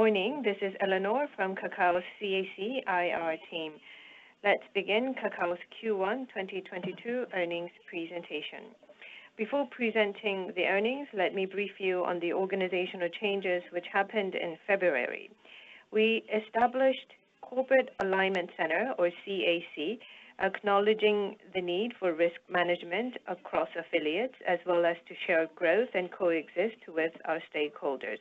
Good morning. This is Eleanor from Kakao's CAC IR team. Let's begin Kakao's Q1 2022 earnings presentation. Before presenting the earnings, let me brief you on the organizational changes that happened in February. We established Corporate Alignment Council, or CAC, acknowledging the need for risk management across affiliates as well as to share growth and coexist with our stakeholders.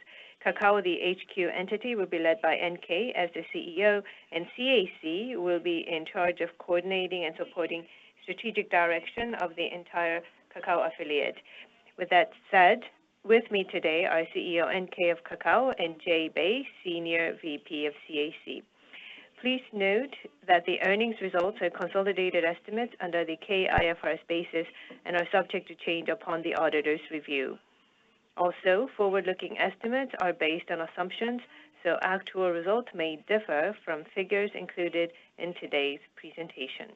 Kakao, the HQ entity, will be led by NK as the CEO, and CAC will be in charge of coordinating and supporting the strategic direction of the entire Kakao affiliate. With that said, with me today are CEO NK of Kakao and Jay Bae, Senior VP of CAC. Please note that the earnings results are consolidated estimates under the KIFRS basis and are subject to change upon the auditor's review. Also, forward-looking estimates are based on assumptions, so actual results may differ from figures included in today's presentation.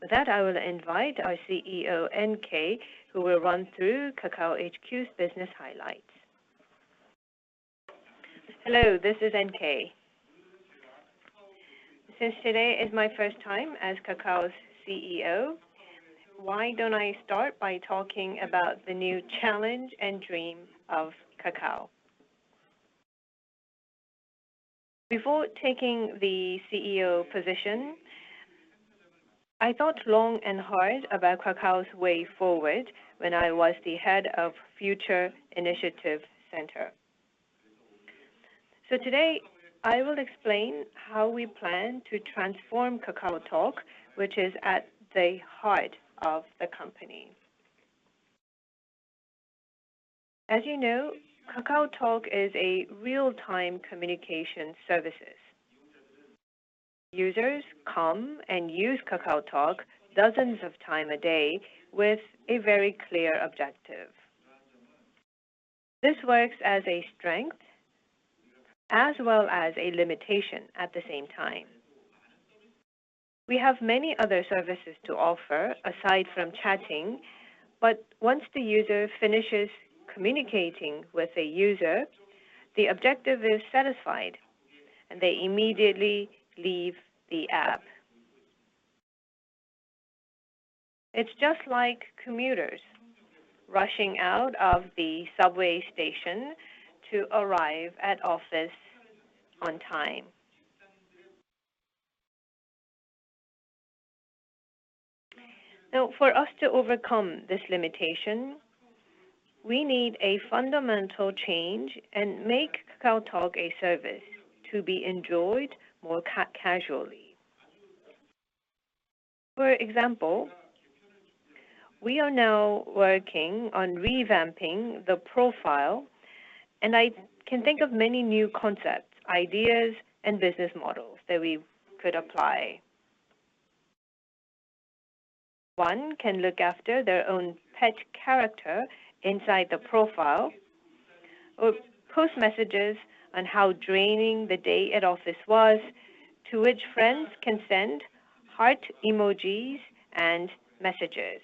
With that, I will invite our CEO, Namkoong Whon, who will run through Kakao HQ's business highlights. Hello, this is Namkoong Whon. Since today is my first time as Kakao's CEO, why don't I start by talking about the new challenge and the dream of Kakao? Before taking the CEO position, I thought long and hard about Kakao's way forward when I was the head of Future Initiative Center. Today, I will explain how we plan to transform KakaoTalk, which is at the heart of the company. KakaoTalk is a real-time communication service. Users come and use KakaoTalk dozens of times a day with a very clear objective. This works as a strength as well as a limitation at the same time. We have many other services to offer aside from chatting, but once the user finishes communicating with a user, the objective is satisfied, and they immediately leave the app. It's just like commuters rushing out of the subway station to arrive at office on time. Now, for us to overcome this limitation, we need a fundamental change and make KakaoTalk a service to be enjoyed more casually. For example, we are now working on revamping the profile, and I can think of many new concepts, ideas, and business models that we could apply. One can look after their own pet character inside the profile or post messages on how draining the day at office was, to which friends can send heart emojis and messages.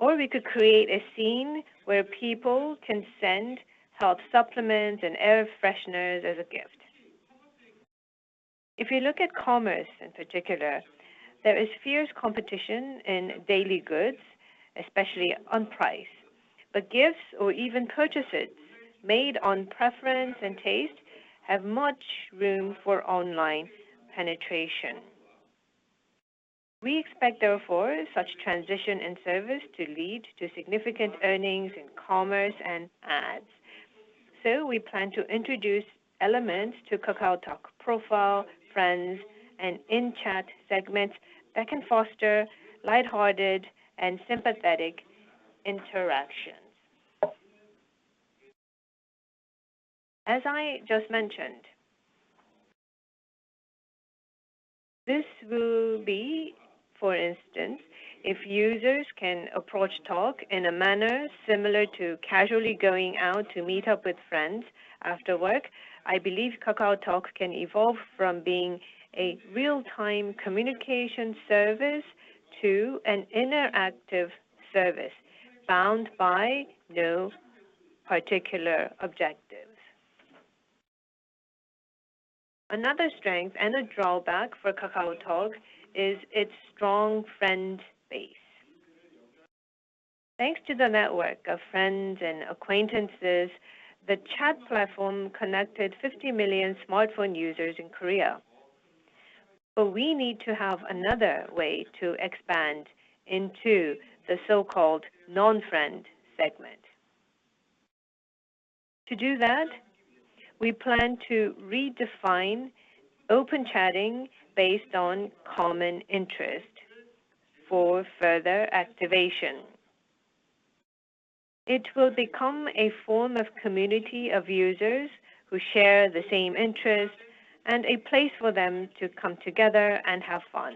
We could create a scene where people can send health supplements and air fresheners as a gift. If you look at commerce in particular, there is fierce competition in daily goods, especially on price. Gifts or even purchases made on preference and taste have much room for online penetration. We expect, therefore, such a transition in service to lead to significant earnings in commerce and ads. We plan to introduce elements to KakaoTalk profile, friends, and in-chat segments that can foster lighthearted and sympathetic interactions. As I just mentioned, this will be, for instance, if users can approach Talk in a manner similar to casually going out to meet up with friends after work, I believe KakaoTalk can evolve from being a real-time communication service to an interactive service bound by no particular objective. Another strength and a drawback for KakaoTalk is its strong friend base. Thanks to the network of friends and acquaintances, the chat platform connected 50 million smartphone users in Korea. We need to have another way to expand into the so-called non-friend segment. To do that, we plan to redefine open chatting based on common interest for further activation. It will become a form of community of users who share the same interest and a place for them to come together and have fun.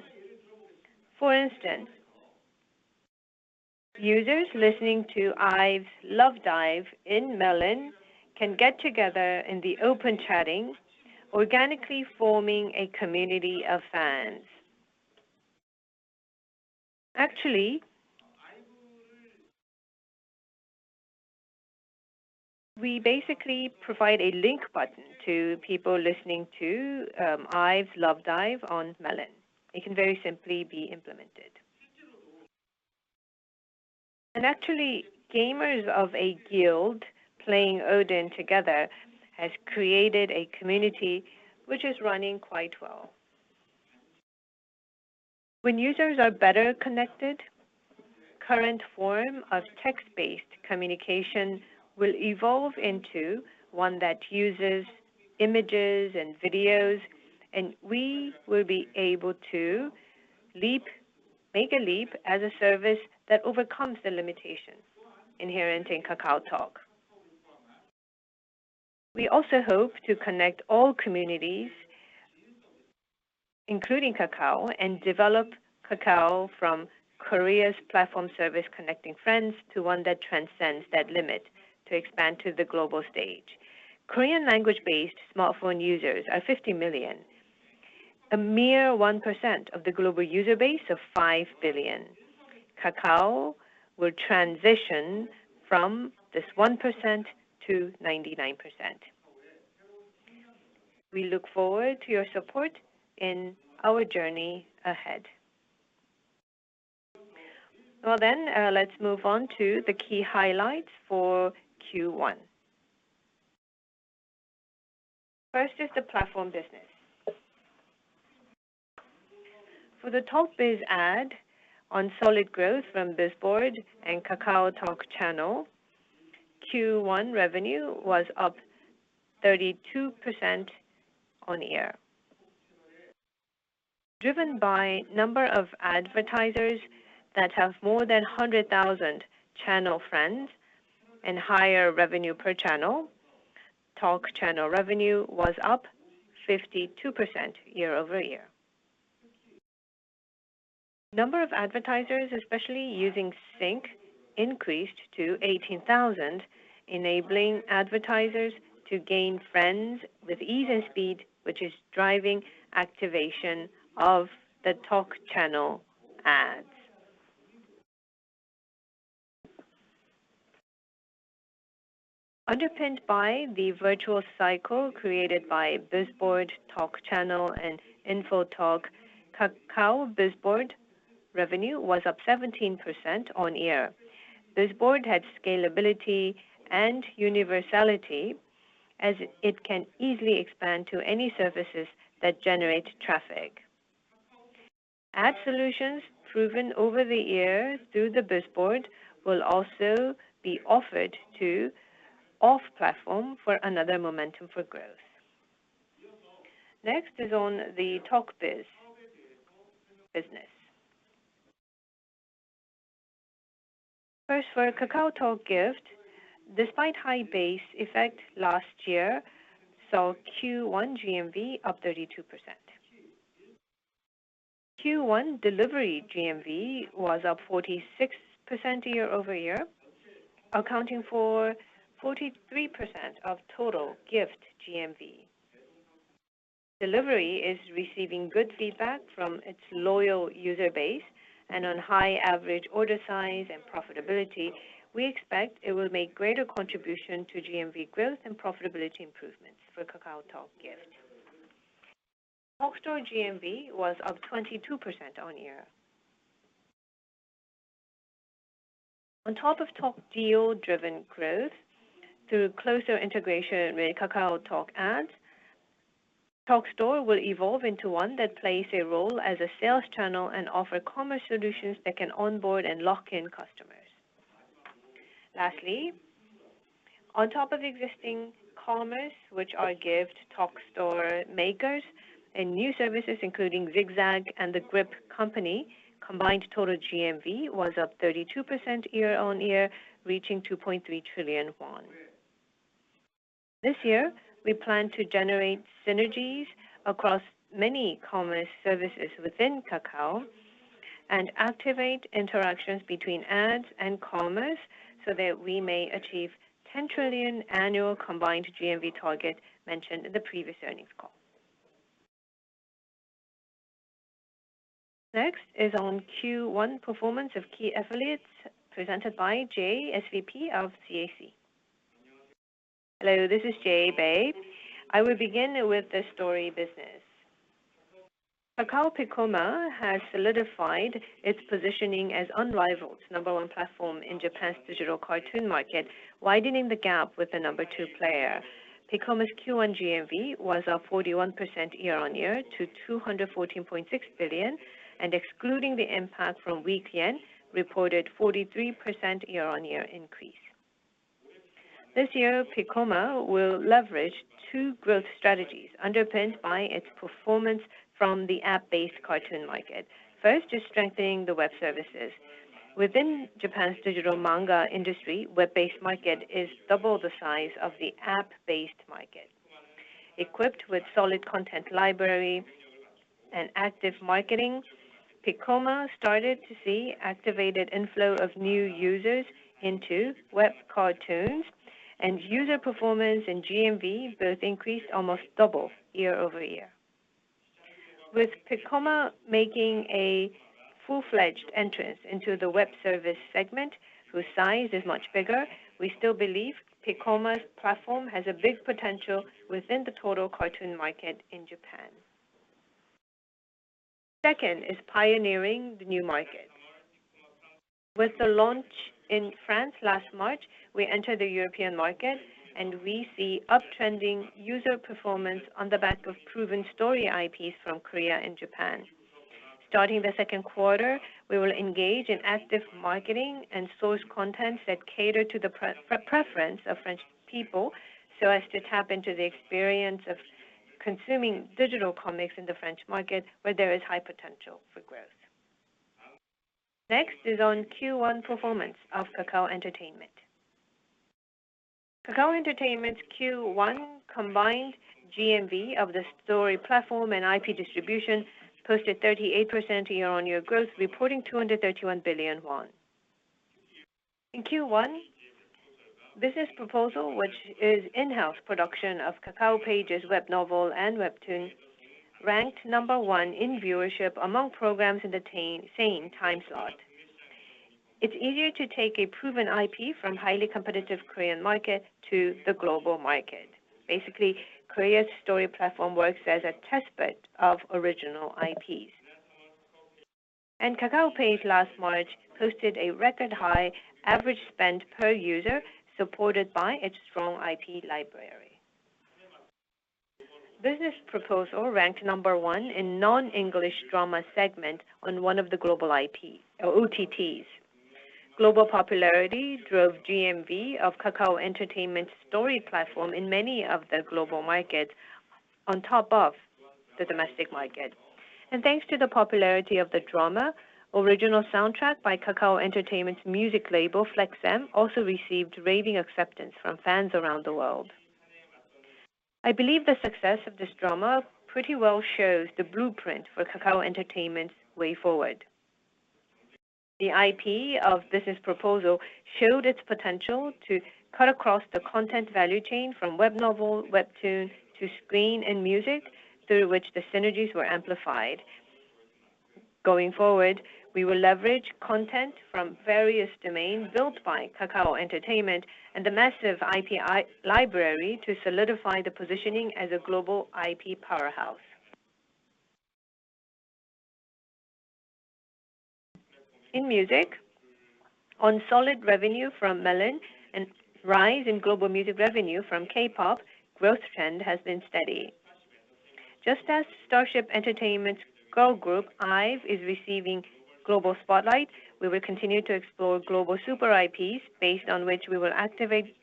For instance, users listening to IVE's "Love Dive" in Melon can get together in the open chatting, organically forming a community of fans. Actually, we basically provide a link button to people listening to IVE's "Love Dive" on Melon. It can very simply be implemented. Actually, gamers of a guild playing Odin together has created a community which is running quite well. When users are better connected, current form of text-based communication will evolve into one that uses images and videos, and we will be able to make a leap as a service that overcomes the limitations inherent in KakaoTalk. We also hope to connect all communities, including Kakao, and develop Kakao from Korea's platform service connecting friends to one that transcends that limit to expand to the global stage. Korean language-based smartphone users are 50 million, a mere 1% of the global user base of 5 billion. Kakao will transition from this 1% to 99%. We look forward to your support in our journey ahead. Well then, let's move on to the key highlights for Q1. First is the platform business. For the Talk Biz ad on solid growth from Bizboard and KakaoTalk Channel, Q1 revenue was up 32% year-on-year. Driven by the number of advertisers that have more than 100,000 channel friends and higher revenue per channel, Talk Channel revenue was up 52% year-over-year. The number of advertisers, especially using Sync, increased to 18,000, enabling advertisers to gain friends with ease and speed, which is driving activation of the Talk Channel ads. Underpinned by the virtual cycle created by Bizboard Talk Channel and Info Talk, Kakao Bizboard revenue was up 17% year-on-year. Bizboard had scalability and universality, as it can easily expand to any services that generate traffic. Ad solutions proven over the years through the Bizboard will also be offered to off-platform for another momentum for growth. Next is on the TalkBiz business. First, for KakaoTalk Gift, despite high base effect last year, saw Q1 GMV up 32%. Q1 delivery GMV was up 46% year-over-year, accounting for 43% of total Gift GMV. Delivery is receiving good feedback from its loyal user base and on high average order size and profitability. We expect it will make greater contribution to GMV growth and profitability improvements for KakaoTalk Gift. TalkStore GMV was up 22% year-on-year. On top of Talk Deal-driven growth through closer integration with KakaoTalk Ads, TalkStore will evolve into one that plays a role as a sales channel and offer commerce solutions that can onboard and lock in customers. Lastly, on top of existing commerce, which are Gift TalkStore makers and new services including Zigzag and Grip Company, combined total GMV was up 32% year-on-year, reaching 2.3 trillion won. This year, we plan to generate synergies across many commerce services within Kakao and activate interactions between ads and commerce so that we may achieve 10 trillion annual combined GMV target mentioned in the previous earnings call. Next is on Q1 performance of key affiliates presented by Jay, SVP of CAC. Hello, this is Jae Bae. I will begin with the story business. Kakao Piccoma has solidified its positioning as the unrivaled No. 1 platform in Japan's digital cartoon market, widening the gap with the No. 2 player. Piccoma's Q1 GMV was up 41% year-on-year to 214.6 billion, and excluding the impact from weak yen, reported 43% year-on-year increase. This year, Piccoma will leverage 2 growth strategies underpinned by its performance from the app-based cartoon market. First is strengthening the web services. Within Japan's digital manga industry, the web-based market is double the size of the app-based market. Equipped with solid content library and active marketing, Piccoma started to see activated inflow of new users into web cartoons. User performance and GMV both increased almost double year-over-year. With Piccoma making a full-fledged entrance into the web service segment, whose size is much bigger, we still believe Piccoma's platform has a big potential within the total cartoon market in Japan. Second is pioneering the new market. With the launch in France last March, we entered the European market, and we see uptrending user performance on the back of proven story IPs from Korea and Japan. Starting the second quarter, we will engage in active marketing and source content that cater to the preference of French people, so as to tap into the experience of consuming digital comics in the French market, where there is high potential for growth. Next is on Q1 performance of Kakao Entertainment. Kakao Entertainment's Q1 combined GMV of the story platform and IP distribution posted 38% year-on-year growth, reporting 231 billion won. In Q1, Business Proposal, which is in-house production of KakaoPage's web novel and webtoon, ranked number one in viewership among programs in the same time slot. It's easier to take a proven IP from highly competitive Korean market to the global market. Basically, Korea's story platform works as a testbed of original IPs. KakaoPage last March posted a record high average spend per user supported by its strong IP library. Business Proposal ranked number one in non-English drama segment on one of the global IP or OTTs. Global popularity drove GMV of Kakao Entertainment's story platform in many of the global markets on top of the domestic market. Thanks to the popularity of the drama, original soundtrack by Kakao Entertainment's music label, Flex M, also received raving acceptance from fans around the world. I believe the success of this drama pretty well shows the blueprint for Kakao Entertainment's way forward. The IP of Business Proposal showed its potential to cut across the content value chain from web novel, webtoon, to screen and music, through which the synergies were amplified. Going forward, we will leverage content from various domains built by Kakao Entertainment and the massive IP library to solidify the positioning as a global IP powerhouse. In music, with solid revenue from Melon and a rise in global music revenue from K-pop, the growth trend has been steady. Just as Starship Entertainment's girl group, IVE, is receiving global spotlight, we will continue to explore global super IPs based on which we will activate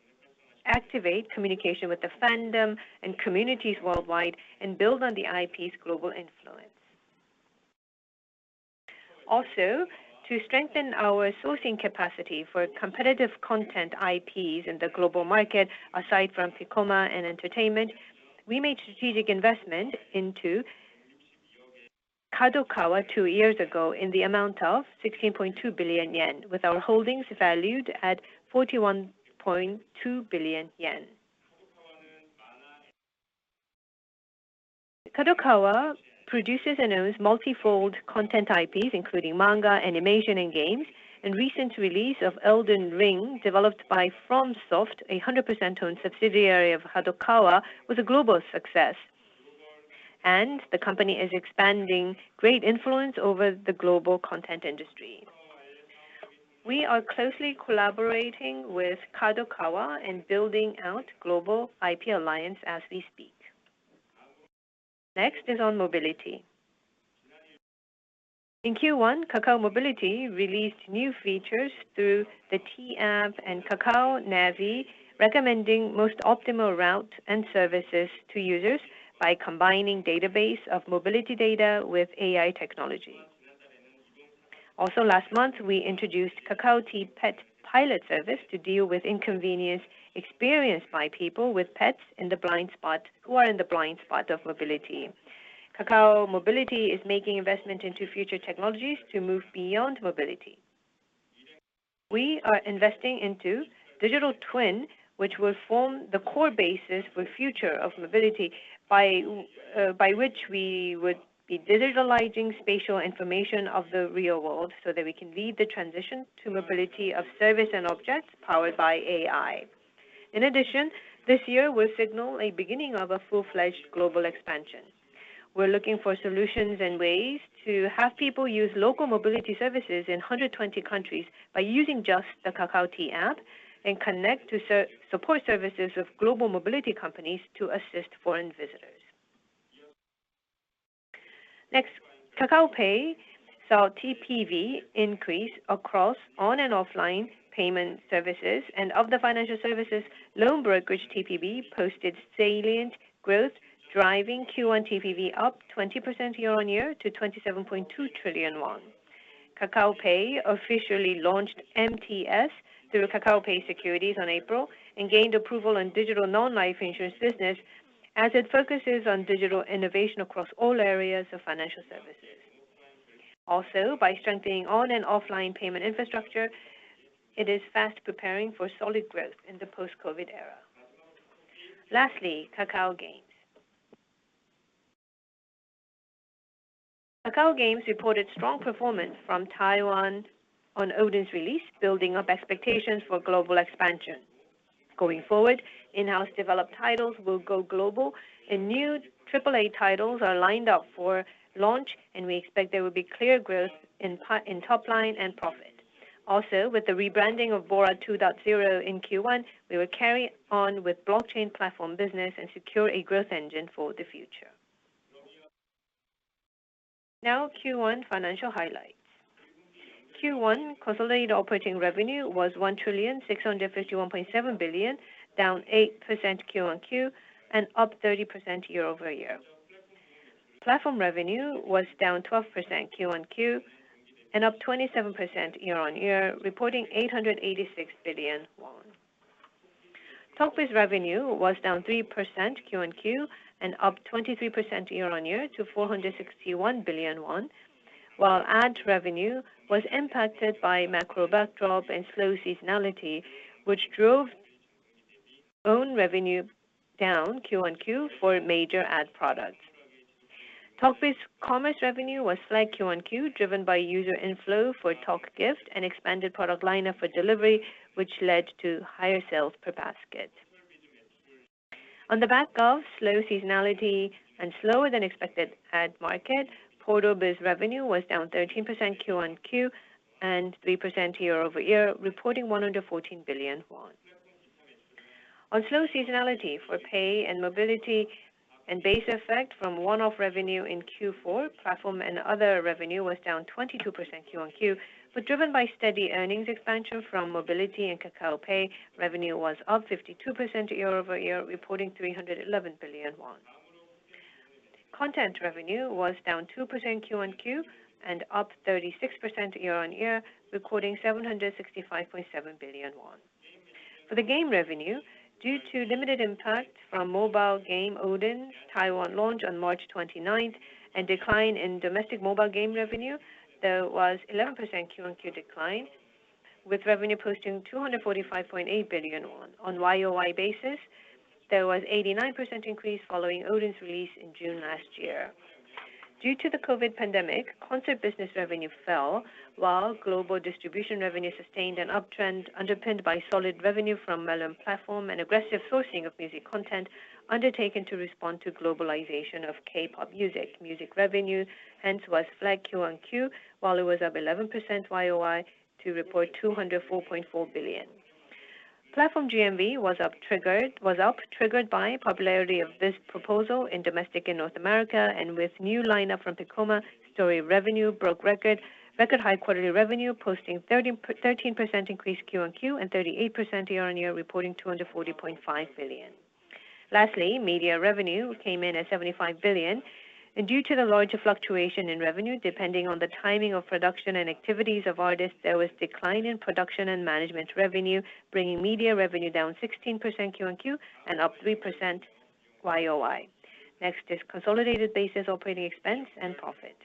communication with the fandom and communities worldwide and build on the IP's global influence. To strengthen our sourcing capacity for competitive content IPs in the global market, aside from Piccoma and Entertainment, we made a strategic investment into Kadokawa two years ago in the amount of 16.2 billion yen, with our holdings valued at 41.2 billion yen. Kadokawa produces and owns multi-fold content IPs, including manga, animation, and games, and recent release of Elden Ring, developed by FromSoftware, a 100% owned subsidiary of Kadokawa, was a global success. The company is expanding its great influence over the global content industry. We are closely collaborating with Kadokawa in building out global IP alliance as we speak. Next is on mobility. In Q1, Kakao Mobility released new features through the T app and Kakao Navi, recommending the most optimal route and services to users by combining database of mobility data with AI technology. Also last month, we introduced Kakao T Pet pilot service to deal with inconvenience experienced by people with pets in the blind spot, who are in the blind spot of mobility. Kakao Mobility is making investment into future technologies to move beyond mobility. We are investing into digital twin, which will form the core basis for future of mobility by which we would be digitalizing spatial information of the real world, so that we can lead the transition to mobility of service and objects powered by AI. In addition, this year will signal a beginning of a full-fledged global expansion. We're looking for solutions and ways to have people use local mobility services in 120 countries by using just the Kakao T app and connect to support services of global mobility companies to assist foreign visitors. Next, Kakao Pay saw TPV increase across online and offline payment services, and of the financial services, loan brokerage TPV posted salient growth, driving Q1 TPV up 20% year-on-year to 27.2 trillion won. Kakao Pay officially launched MTS through Kakao Pay Securities on April and gained approval on digital non-life insurance business as it focuses on digital innovation across all areas of financial services. Also, by strengthening online and offline payment infrastructure, it is fast preparing for solid growth in the post-COVID era. Lastly, Kakao Games. Kakao Games reported strong performance from Taiwan on Odin's release, building up expectations for global expansion. Going forward, in-house developed titles will go global and new triple A titles are lined up for launch, and we expect there will be clear growth in top line and profit. Also, with the rebranding of BORA 2.0 in Q1, we will carry on with the blockchain platform business and secure a growth engine for the future. Q1 financial highlights. Q1 consolidated operating revenue was 1,651.7 billion, down 8% Q-on-Q and up 30% year-over-year. Platform revenue was down 12% Q-on-Q and up 27% year-over-year, reporting 886 billion won. Talk Biz revenue was down 3% Q-on-Q and up 23% year-over-year to 461 billion won, while ad revenue was impacted by macro backdrop and slow seasonality, which drove ad revenue down Q-on-Q for major ad products. Talk Biz Commerce revenue was flat Q-on-Q, driven by user inflow for KakaoTalk Gift and expanded product lineup for delivery, which led to higher sales per basket. On the back of slow seasonality and slower than expected ad market, Portal Biz revenue was down 13% Q on Q and 3% year-over-year, reporting 114 billion won. On slow seasonality for pay and mobility and base effect from one-off revenue in Q4, platform and other revenue was down 22% Q on Q, but driven by steady earnings expansion from mobility and Kakao Pay, revenue was up 52% year-over-year, reporting 311 billion won. Content revenue was down 2% Q on Q and up 36% year-over-year, recording 765.7 billion won. For the game revenue, due to limited impact from mobile game Odin's Taiwan launch on March 29 and decline in domestic mobile game revenue, there was 11% Q on Q decline, with revenue posting 245.8 billion. On year-over-year basis, there was 89% increase following Odin's release in June last year. Due to the COVID pandemic, concert business revenue fell, while global distribution revenue sustained an uptrend underpinned by solid revenue from Melon platform and aggressive sourcing of music content undertaken to respond to globalization of K-pop music. Music revenue, hence, was flat quarter-on-quarter, while it was up 11% year-over-year to report 204.4 billion. Platform GMV was up, triggered by popularity of Business Proposal in domestic and North America, and with new lineup from Piccoma, Story revenue broke record high quarterly revenue, posting 13% increase quarter-on-quarter and 38% year-on-year, reporting 240.5 billion. Lastly, media revenue came in at 75 billion. Due to the larger fluctuation in revenue, depending on the timing of production and activities of artists, there was decline in production and management revenue, bringing media revenue down 16% Q-o-Q and up 3% Y-o-Y. Next is consolidated basis operating expense and profit.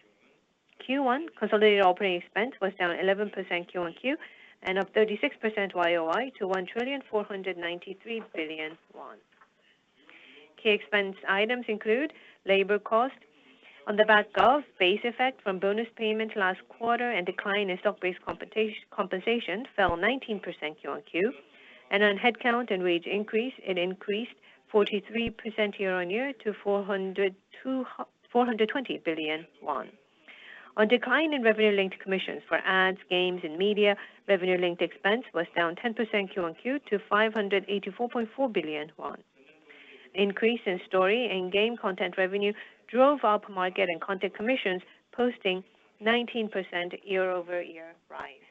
Q1 consolidated operating expense was down 11% Q-o-Q and up 36% Y-o-Y to 1.493 trillion won. Key expense items include labor cost. On the back of base effect from bonus payments last quarter and decline in stock-based compensation fell 19% Q-o-Q. On headcount and wage increase, it increased 43% year-on-year to 420 billion won. On decline in revenue-linked commissions for ads, games and media, revenue-linked expense was down 10% quarter-over-quarter to 584.4 billion won. Increase in story and game content revenue drove up marketing content commissions, posting 19% year-over-year rise.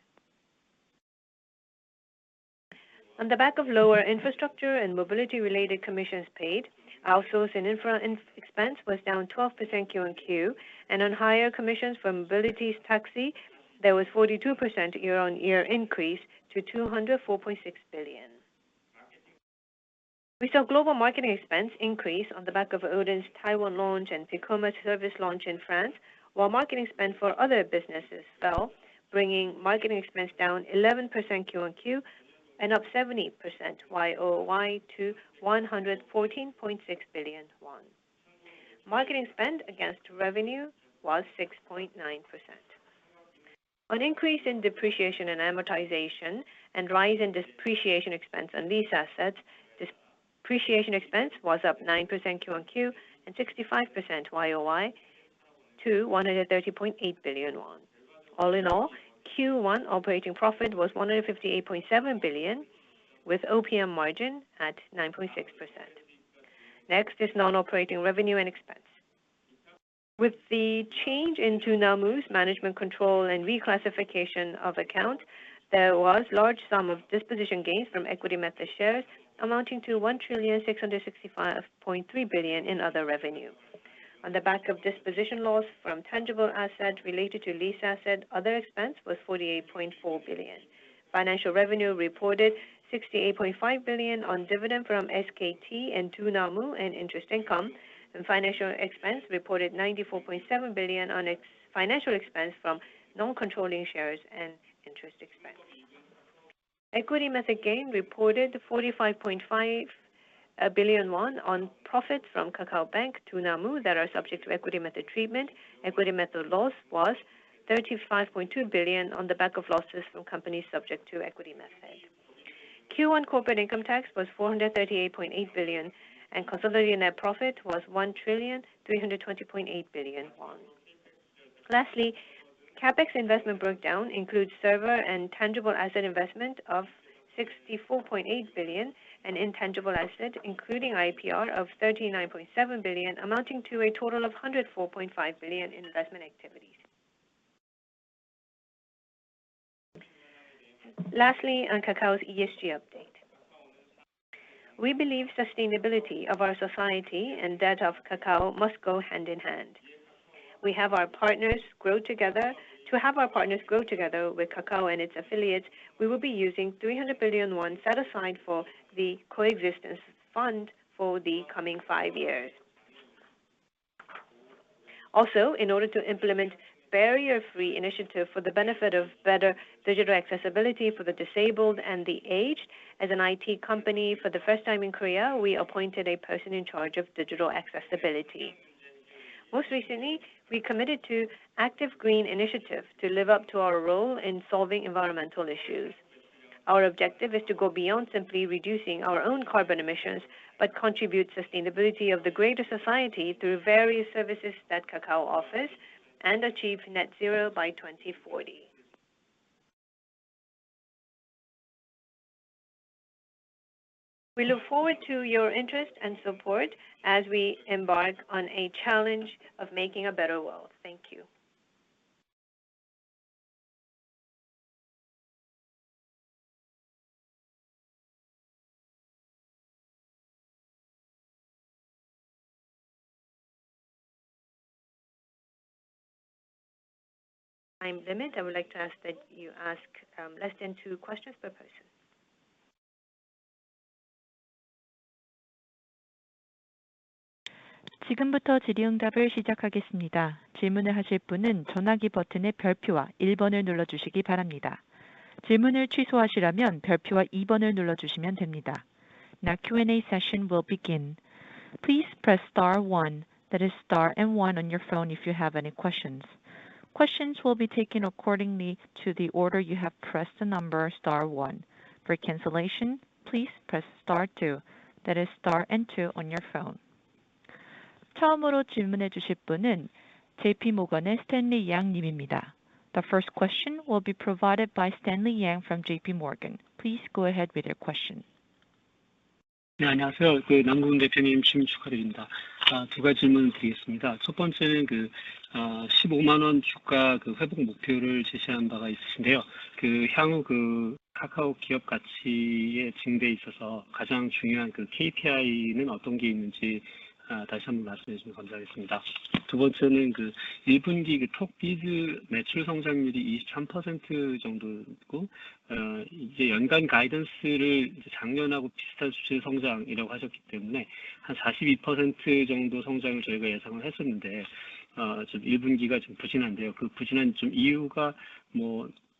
On the back of lower infrastructure and mobility-related commissions paid, outsourcing and infrastructure expense was down 12% quarter-over-quarter. On higher commissions from mobility taxi, there was 42% year-over-year increase to 204.6 billion. We saw global marketing expense increase on the back of Odin's Taiwan launch and Piccoma service launch in France, while marketing spend for other businesses fell, bringing marketing expense down 11% quarter-over-quarter and up 70% year-over-year to 114.6 billion won. Marketing spend against revenue was 6.9%. On increase in depreciation and amortization and rise in depreciation expense on lease assets, depreciation expense was up 9% Q-o-Q and 65% Y-o-Y to 130.8 billion won. All in all, Q1 operating profit was 158.7 billion, with OPM margin at 9.6%. Next is non-operating revenue and expense. With the change in Dunamu's management control and reclassification of account, there was large sum of disposition gains from equity-method shares amounting to 1,665.3 billion in other revenue. On the back of disposition loss from tangible assets related to lease assets, other expense was 48.4 billion. Financial revenue reported 68.5 billion on dividend from SKT and Dunamu and interest income. Financial expense reported 94.7 billion on its financial expense from non-controlling shares and interest expense. Equity method gain reported 45.5 billion won on profits from KakaoBank and Dunamu that are subject to equity method treatment. Equity method loss was 35.2 billion on the back of losses from companies subject to equity method. Q1 corporate income tax was 438.8 billion, and consolidated net profit was 1,320.8 billion won. CapEx investment breakdown includes server and tangible asset investment of 64.8 billion and intangible asset, including IPR of 39.7 billion, amounting to a total of 104.5 billion in investment activities. Lastly, on Kakao's ESG update. We believe sustainability of our society and that of Kakao must go hand in hand. To have our partners grow together with Kakao and its affiliates, we will be using 300 billion won set aside for the coexistence fund for the coming 5 years. Also, in order to implement barrier-free initiative for the benefit of better digital accessibility for the disabled and the aged, as an IT company for the first time in Korea, we appointed a person in charge of digital accessibility. Most recently, we committed to active green initiative to live up to our role in solving environmental issues. Our objective is to go beyond simply reducing our own carbon emissions, but contribute sustainability of the greater society through various services that Kakao offers and achieve net zero by 2040. We look forward to your interest and support as we embark on the challenge of making a better world. Thank you. Time limit, I would like to ask that you ask less than two questions per person. Now the Q&A session will begin. Please press star 1, that is star and one on your phone, if you have any questions. Questions will be taken according to the order you have pressed the number star 1. For cancellation, please press star 2, that is star and 2 on your phone. The first question will be provided by Stanley Yang from JPMorgan. Please go ahead with your question.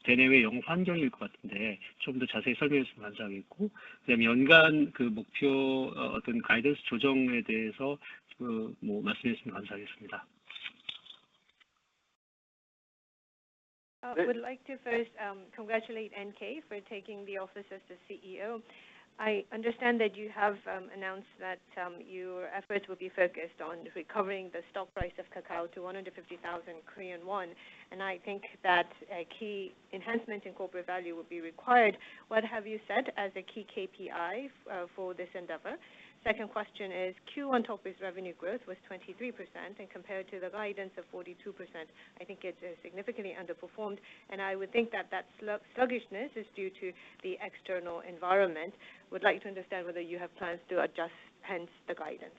I would like to first congratulate NK for taking office as the CEO. I understand that you have announced that your efforts will be focused on recovering the stock price of Kakao to 150,000 Korean won, and I think that a key enhancement in corporate value will be required. What have you set as a key KPI for this endeavor? Second question is, Q1 topline revenue growth was 23%, and compared to the guidance of 42%, I think it significantly underperformed. I would think that sluggishness is due to the external environment. Would like to understand whether you have plans to adjust the guidance?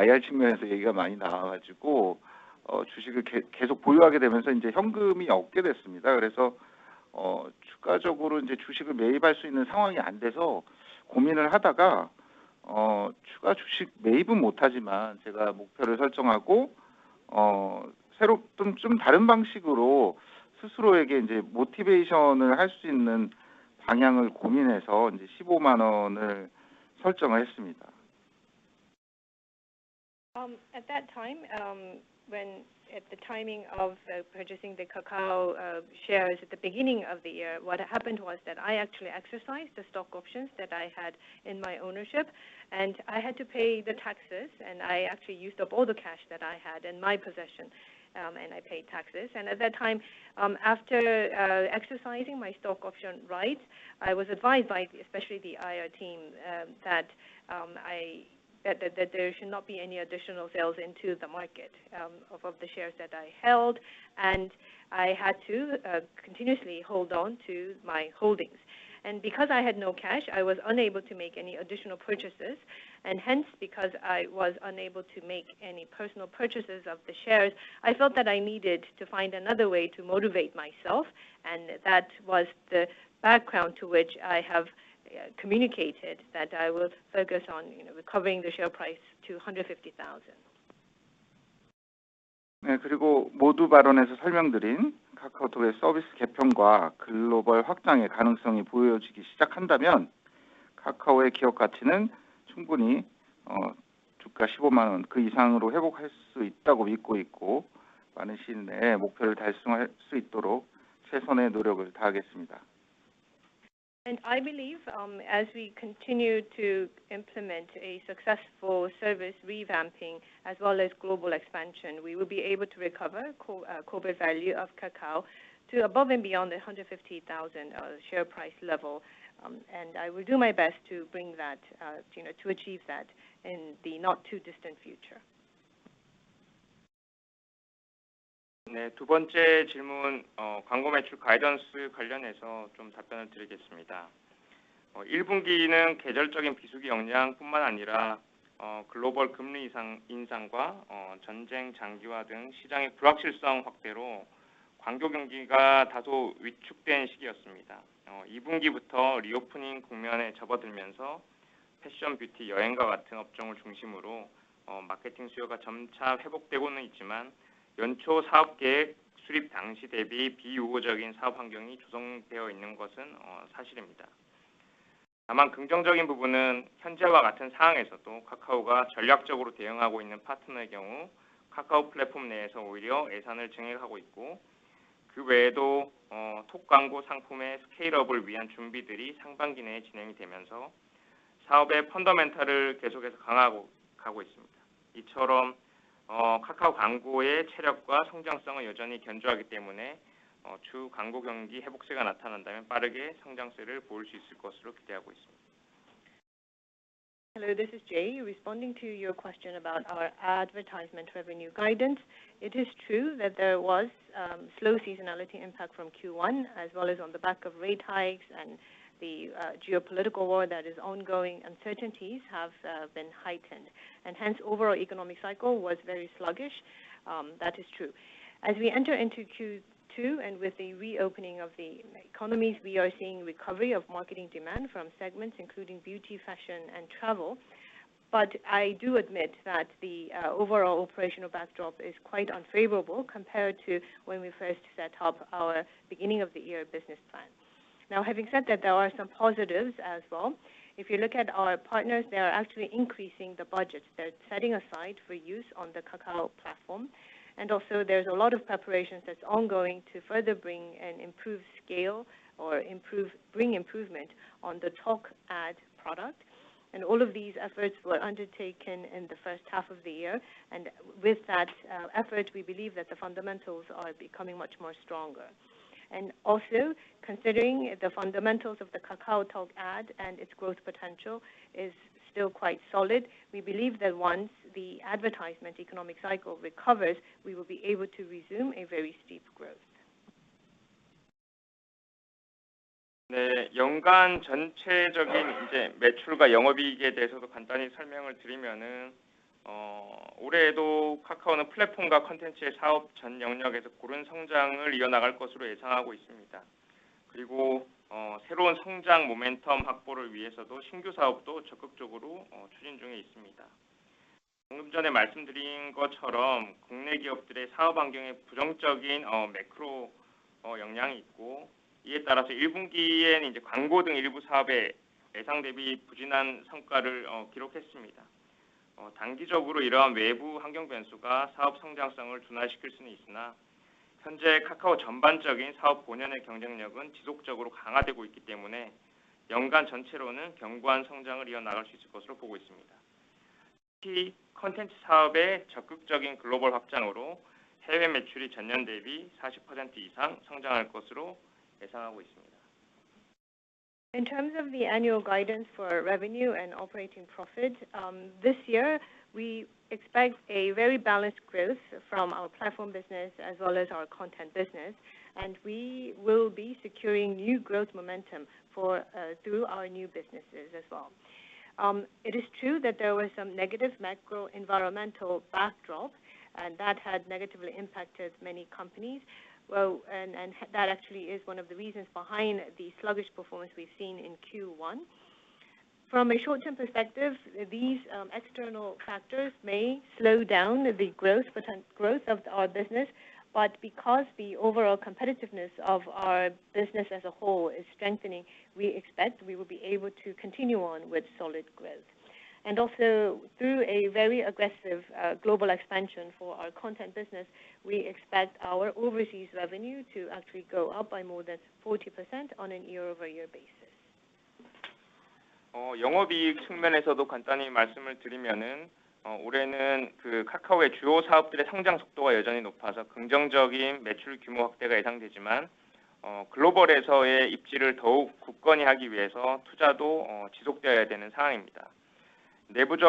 IR 측면에서 얘기가 많이 나와가지고, 주식을 계속 보유하게 되면서 현금이 없게 됐습니다. 추가적으로 주식을 매입할 수 있는 상황이 안 돼서 고민을 하다가, 추가 주식 매입은 못하지만 제가 목표를 설정하고, 좀 다른 방식으로 스스로에게 motivation을 할수 있는 방향을 고민해서 ₩150,000을 설정을 했습니다. At that time, when at the timing of the purchasing the Kakao shares at the beginning of the year, what happened was that I actually exercised the stock options that I had in my ownership, and I had to pay the taxes, and I actually used up all the cash that I had in my possession, and I paid taxes. At that time, after exercising my stock option rights, I was advised by especially the IR team, that there should not be any additional sales into the market, of the shares that I held. I had to continuously hold on to my holdings. Because I had no cash, I was unable to make any additional purchases. Hence, because I was unable to make any personal purchases of the shares, I felt that I needed to find another way to motivate myself, and that was the background to which I communicated that I will focus on recovering the share price to KRW 150,000. 그리고 모두발언에서 설명드린 카카오톡의 서비스 개편과 글로벌 확장의 가능성이 보여지기 시작한다면 카카오의 기업 가치는 충분히 주가 15만 원그 이상으로 회복할 수 있다고 믿고 있고, 많은 시일 내에 목표를 달성할 수 있도록 최선의 노력을 다하겠습니다. I believe, as we continue to implement a successful service revamping as well as global expansion, we will be able to recover corporate value of Kakao to above and beyond the 150,000 share price level. I will do my best to bring that, you know, to achieve that in the not too distant future. 두 번째 질문, 광고 매출 가이던스 관련해서 좀 답변을 드리겠습니다. 일분기는 계절적인 비수기 영향뿐만 아니라, 글로벌 금리 인상과 전쟁 장기화 등 시장의 불확실성 확대로 광고 경기가 다소 위축된 시기였습니다. 이분기부터 리오프닝 국면에 접어들면서 패션, 뷰티, 여행과 같은 업종을 중심으로 마케팅 수요가 점차 회복되고는 있지만, 연초 사업 계획 수립 당시 대비 비우호적인 사업 환경이 조성되어 있는 것은 사실입니다. 다만 긍정적인 부분은 현재와 같은 상황에서도 카카오가 전략적으로 대응하고 있는 파트너의 경우 카카오 플랫폼 내에서 오히려 예산을 증액하고 있고, 그 외에도 톡 광고 상품의 scale-up을 위한 준비들이 상반기 내에 진행이 되면서 사업의 fundamental을 계속해서 강화하고 가고 있습니다. 이처럼 카카오 광고의 체력과 성장성은 여전히 견조하기 때문에, 추후 광고 경기 회복세가 나타난다면 빠르게 성장세를 보일 수 있을 것으로 기대하고 있습니다. Hello, this is Jae. Responding to your question about our advertisement revenue guidance, it is true that there was slow seasonality impact from Q1 as well as on the back of rate hikes and the geopolitical war that is ongoing, uncertainties have been heightened. Hence, overall economic cycle was very sluggish, that is true. As we enter into Q2, and with the reopening of the economies, we are seeing recovery of marketing demand from segments including beauty, fashion, and travel. I do admit that the overall operational backdrop is quite unfavorable compared to when we first set up our beginning of the year business plan. Now, having said that, there are some positives as well. If you look at our partners, they are actually increasing the budgets they're setting aside for use on the Kakao platform. Also, there's a lot of preparations that's ongoing to further bring an improved scale or bring improvement on the Talk Ad product. All of these efforts were undertaken in the first half of the year, and with that effort, we believe that the fundamentals are becoming much more stronger. Also, considering the fundamentals of the KakaoTalk Ad and its growth potential is still quite solid, we believe that once the advertisement economic cycle recovers, we will be able to resume a very steep growth. 네, 연간 전체적인 매출과 영업이익에 대해서도 간단히 설명을 드리면, 올해에도 카카오는 플랫폼과 콘텐츠의 사업 전 영역에서 고른 성장을 이어나갈 것으로 예상하고 있습니다. 새로운 성장 모멘텀 확보를 위해서도 신규 사업도 적극적으로 추진 중에 있습니다. 방금 전에 말씀드린 것처럼 국내 기업들의 사업 환경에 부정적인 매크로 영향이 있고, 이에 따라서 1분기엔 광고 등 일부 사업에 예상 대비 부진한 성과를 기록했습니다. 단기적으로 이러한 외부 환경 변수가 사업 성장성을 둔화시킬 수는 있으나, 현재 카카오 전반적인 사업 본연의 경쟁력은 지속적으로 강화되고 있기 때문에 연간 전체로는 견고한 성장을 이어나갈 수 있을 것으로 보고 있습니다. 특히 콘텐츠 사업의 적극적인 글로벌 확장으로 해외 매출이 전년 대비 40% 이상 성장할 것으로 예상하고 있습니다. In terms of the annual guidance for revenue and operating profit, this year, we expect a very balanced growth from our platform business as well as our content business, and we will be securing new growth momentum through our new businesses as well. It is true that there was some negative macro environmental backdrop, and that had negatively impacted many companies. Actually, that is one of the reasons behind the sluggish performance we've seen in Q1. From a short-term perspective, these external factors may slow down the growth, potential growth of our business. Because the overall competitiveness of our business as a whole is strengthening, we expect we will be able to continue on with solid growth. Also through a very aggressive global expansion for our content business, we expect our overseas revenue to actually go up by more than 40% on a year-over-year basis.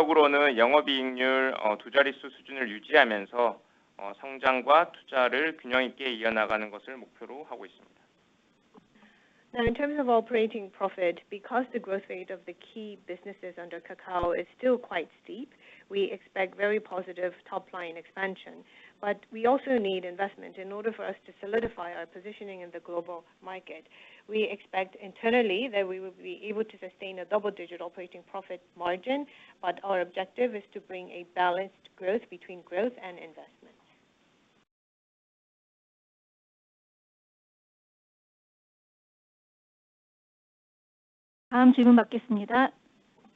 Now, in terms of operating profit, because the growth rate of the key businesses under Kakao is still quite steep, we expect very positive top line expansion. We also need investment in order for us to solidify our positioning in the global market. We expect internally that we will be able to sustain a double-digit operating profit margin, but our objective is to bring a balanced growth between growth and investment.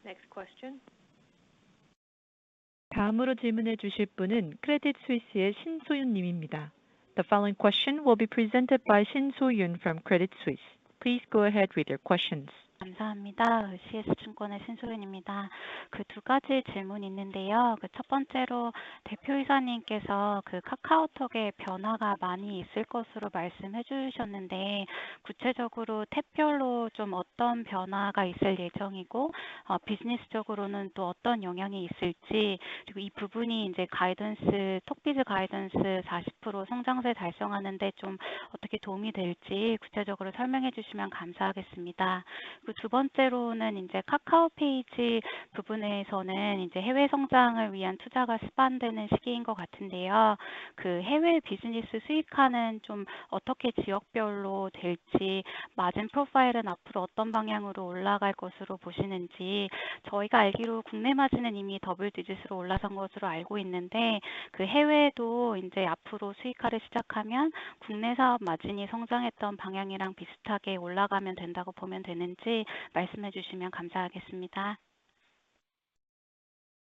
Next question. The following question will be presented by Soyoon Shin from Credit Suisse. Please go ahead with your questions.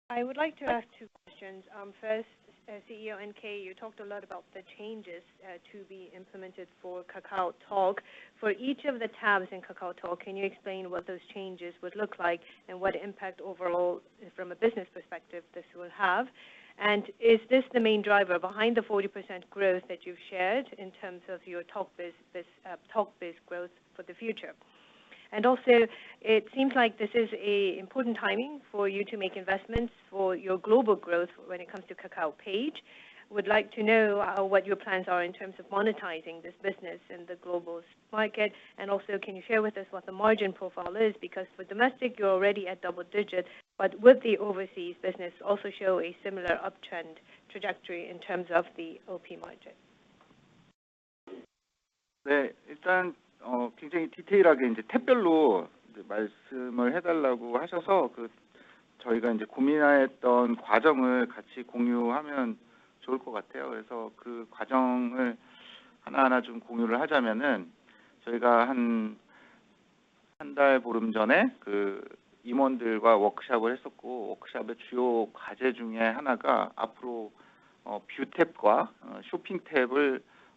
I would like to ask two questions. First, CEO NK, you talked a lot about the changes to be implemented for KakaoTalk. For each of the tabs in KakaoTalk, can you explain what those changes would look like and what impact overall from a business perspective this will have? Is this the main driver behind the 40% growth that you've shared in terms of your TalkBiz growth for the future? It seems like this is an important timing for you to make investments for your global growth when it comes to KakaoPage. Would like to know what your plans are in terms of monetizing this business in the global market, and also can you share with us what the margin profile is? For domestic, you're already at double digit, but would the overseas business also show a similar uptrend trajectory in terms of the OP margin?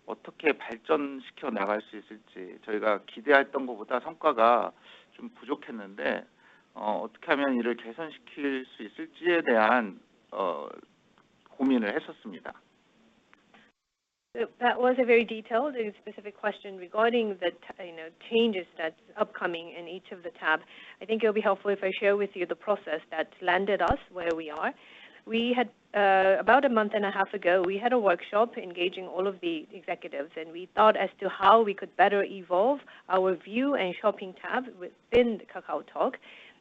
That was a very detailed and specific question regarding the changes that's upcoming in each of the tabs. I think it'll be helpful if I share with you the process that landed us where we are. About a month and a half ago, we had a workshop engaging all of the executives, and we thought as to how we could better evolve our view and shopping tab within the KakaoTalk.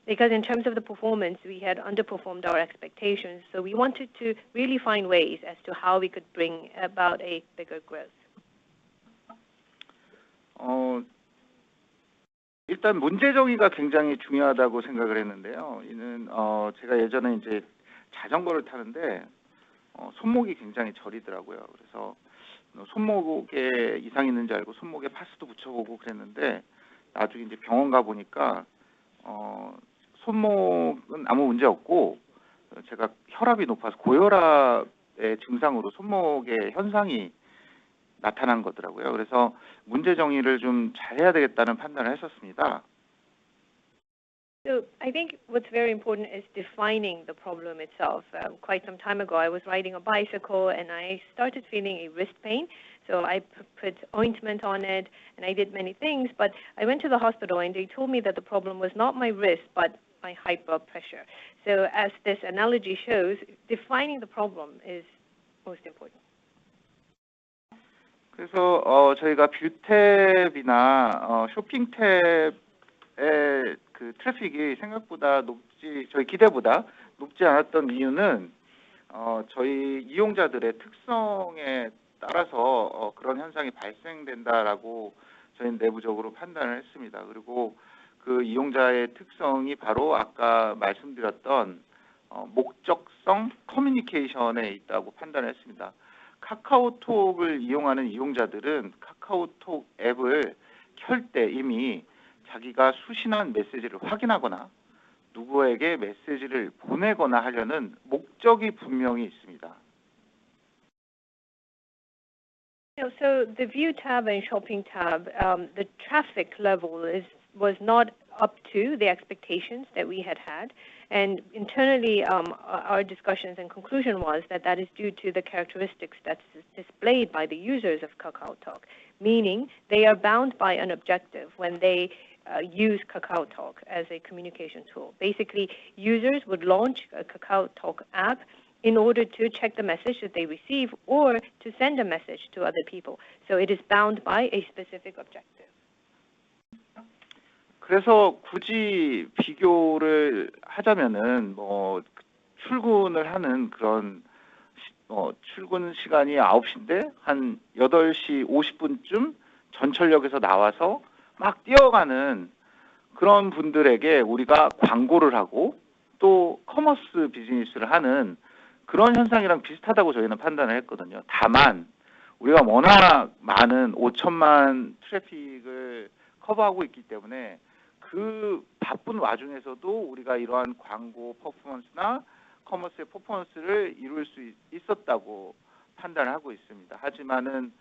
In terms of the performance, we had underperformed our expectations, so we wanted to really find ways as to how we could bring about a bigger growth. I think what's very important is defining the problem itself. Quite some time ago, I was riding a bicycle, and I started feeling a wrist pain. I put ointment on it, and I did many things, but I went to the hospital, and they told me that the problem was not my wrist, but my high blood pressure. As this analogy shows, defining the problem is most important. 저희가 뷰탭이나 쇼핑탭의 트래픽이 저희 기대보다 높지 않았던 이유는 저희 이용자들의 특성에 따라서 그런 현상이 발생된다라고 저희는 내부적으로 판단을 했습니다. 그리고 그 이용자의 특성이 바로 아까 말씀드렸던 목적성 커뮤니케이션에 있다고 판단했습니다. 카카오톡을 이용하는 이용자들은 카카오톡 앱을 켤때 이미 자기가 수신한 메시지를 확인하거나 누구에게 메시지를 보내거나 하려는 목적이 분명히 있습니다. The view tab and shopping tab traffic level was not up to the expectations that we had had. Internally, our discussions and conclusion was that that is due to the characteristics that's displayed by the users of KakaoTalk, meaning they are bound by an objective when they use KakaoTalk as a communication tool. Basically, users would launch a KakaoTalk app in order to check the message that they receive or to send a message to other people, so it is bound by a specific objective. 그래서 굳이 비교를 하자면은 뭐 출근을 하는 그런, 출근 시간이 아홉 시인데 한 여덟 시 오십 분쯤 전철역에서 나와서 막 뛰어가는 그런 분들에게 우리가 광고를 하고 또 커머스 비즈니스를 하는 그런 현상이랑 비슷하다고 저희는 판단을 했거든요. 다만 우리가 워낙 많은 오천만 트래픽을 커버하고 있기 때문에 그 바쁜 와중에서도 우리가 이러한 광고 퍼포먼스나 커머스의 퍼포먼스를 이룰 수 있었다고 판단을 하고 있습니다. 하지만은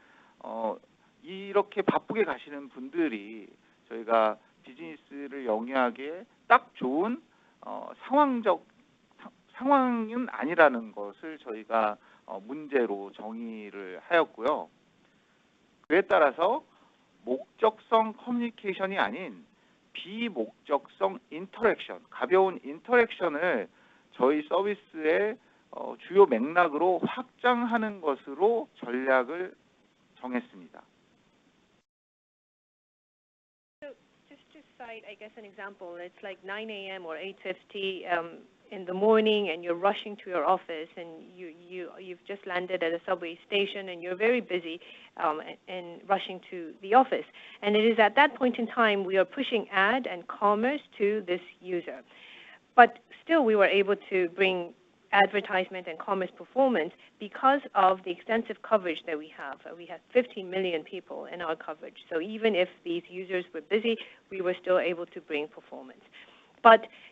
이렇게 바쁘게 가시는 분들이 저희가 비즈니스를 영위하기에 딱 좋은 상황은 아니라는 것을 저희가 문제로 정의를 하였고요. 그에 따라서 목적성 커뮤니케이션이 아닌 비목적성 인터랙션, 가벼운 인터랙션을 저희 서비스의 주요 맥락으로 확장하는 것으로 전략을 정했습니다. Just to cite an example, it's like 9:00 AM or 8:50 in the morning and you're rushing to your office and you've just landed at a subway station and you're very busy and rushing to the office. It is at that point in time, we are pushing ad and commerce to this user. We were able to bring advertisement and commerce performance because of the extensive coverage that we have. We have 15 million people in our coverage. Even if these users were busy, we were still able to bring performance.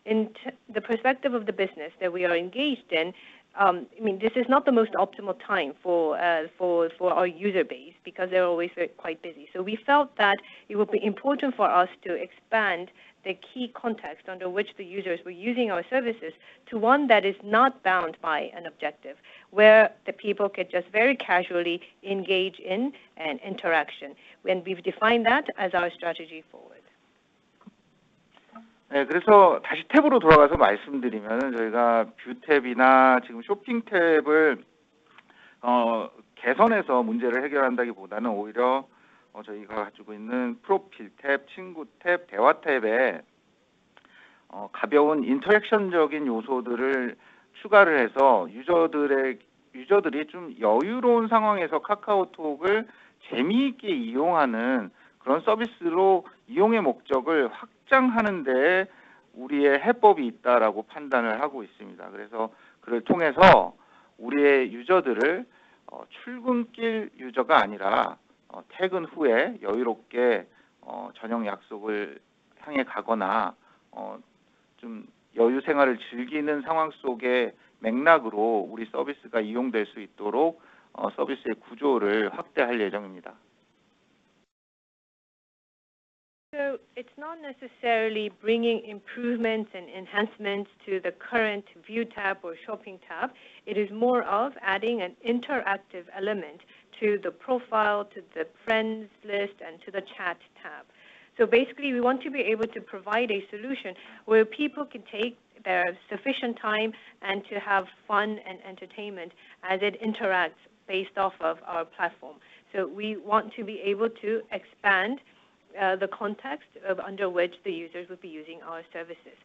In the perspective of the business that we are engaged in, I mean, this is not the most optimal time for our user base because they're always quite busy. We felt that it would be important for us to expand the key context under which the users were using our services to one that is not bound by an objective, where the people could just very casually engage in an interaction, and we've defined that as our strategy forward. 다시 탭으로 돌아가서 말씀드리면 저희가 뷰탭이나 지금 쇼핑탭을 개선해서 문제를 해결한다기보다는 오히려 저희가 가지고 있는 프로필 탭, 친구 탭, 대화 탭에 가벼운 인터랙션적인 요소들을 추가를 해서 유저들이 좀 여유로운 상황에서 카카오톡을 재미있게 이용하는 그런 서비스로 이용의 목적을 확장하는 데에 우리의 해법이 있다라고 판단을 하고 있습니다. 그래서 그를 통해서 우리의 유저들을 출근길 유저가 아니라 퇴근 후에 여유롭게 저녁 약속을 향해 가거나 좀 여유 생활을 즐기는 상황 속의 맥락으로 우리 서비스가 이용될 수 있도록 서비스의 구조를 확대할 예정입니다. It's not necessarily bringing improvements and enhancements to the current view tab or shopping tab. It is more of adding an interactive element to the profile, to the friends list, and to the chat tab. Basically, we want to be able to provide a solution where people can take their sufficient time and to have fun and entertainment as it interacts based off of our platform. We want to be able to expand the contexts under which the users would be using our services.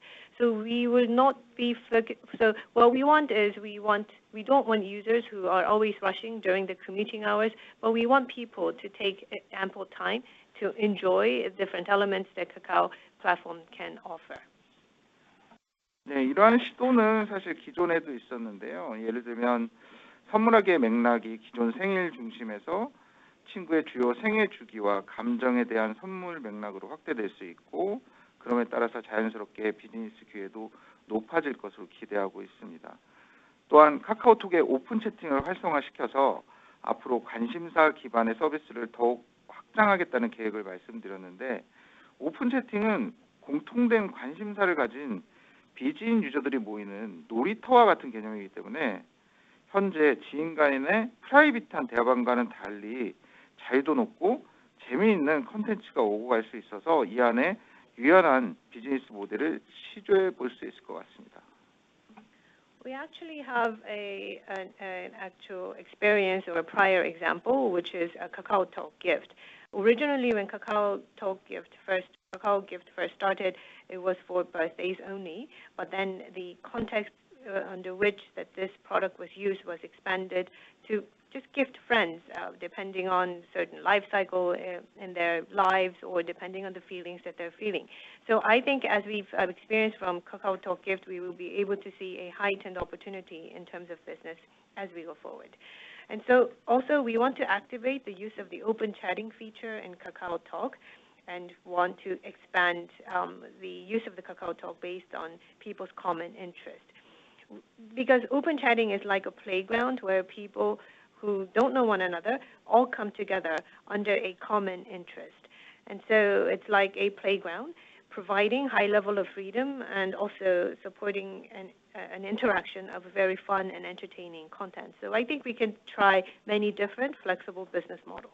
What we want is we don't want users who are always rushing during the commuting hours, but we want people to take ample time to enjoy different elements that Kakao platform can offer. 네, 이러한 시도는 사실 기존에도 있었는데요. 예를 들면 선물하기의 맥락이 기존 생일 중심에서 친구의 주요 생애 주기와 감정에 대한 선물 맥락으로 확대될 수 있고, 그럼에 따라서 자연스럽게 비즈니스 기회도 높아질 것으로 기대하고 있습니다. 또한 카카오톡의 오픈 채팅을 활성화시켜서 앞으로 관심사 기반의 서비스를 더욱 확장하겠다는 계획을 말씀드렸는데, 오픈 채팅은 공통된 관심사를 가진 비즈인 유저들이 모이는 놀이터와 같은 개념이기 때문에 현재 지인 간의 프라이빗한 대화방과는 달리 자유도 높고 재미있는 콘텐츠가 오고 갈수 있어서 이 안에 유연한 비즈니스 모델을 시도해 볼수 있을 것 같습니다. We actually have an actual experience or a prior example, which is a KakaoTalk Gift. Originally, when KakaoTalk Gift first started, it was for birthdays only, but then the context under which this product was used was expanded to just gift friends, depending on certain life cycles in their lives or depending on the feelings that they're feeling. I think as we've experienced from KakaoTalk Gift, we will be able to see a heightened opportunity in terms of business as we go forward. We also want to activate the use of the open chatting feature in KakaoTalk and want to expand the use of KakaoTalk based on people's common interest. Because open chatting is like a playground where people who don't know one another all come together under a common interest. It's like a playground providing high level of freedom and also supporting an interaction of very fun and entertaining content. I think we can try many different flexible business models.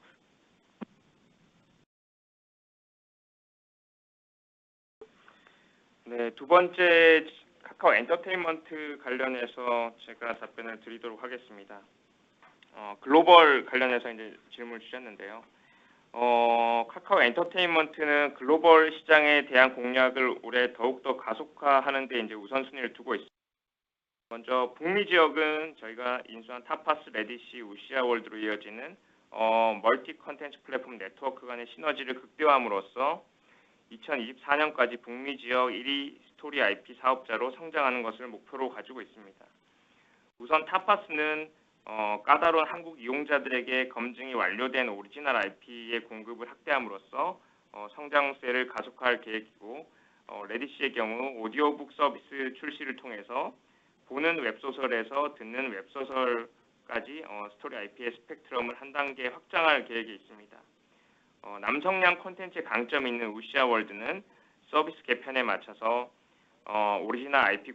The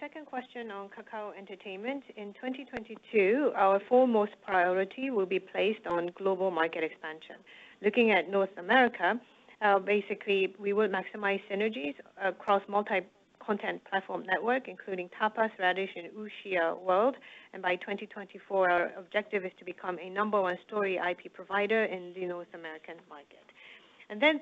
second question on Kakao Entertainment, in 2022, our foremost priority will be placed on global market expansion. Looking at North America, basically we will maximize synergies across multi-content platform network, including Tapas, Radish, and Wuxiaworld, and by 2024, our objective is to become a number one story IP provider in the North American market.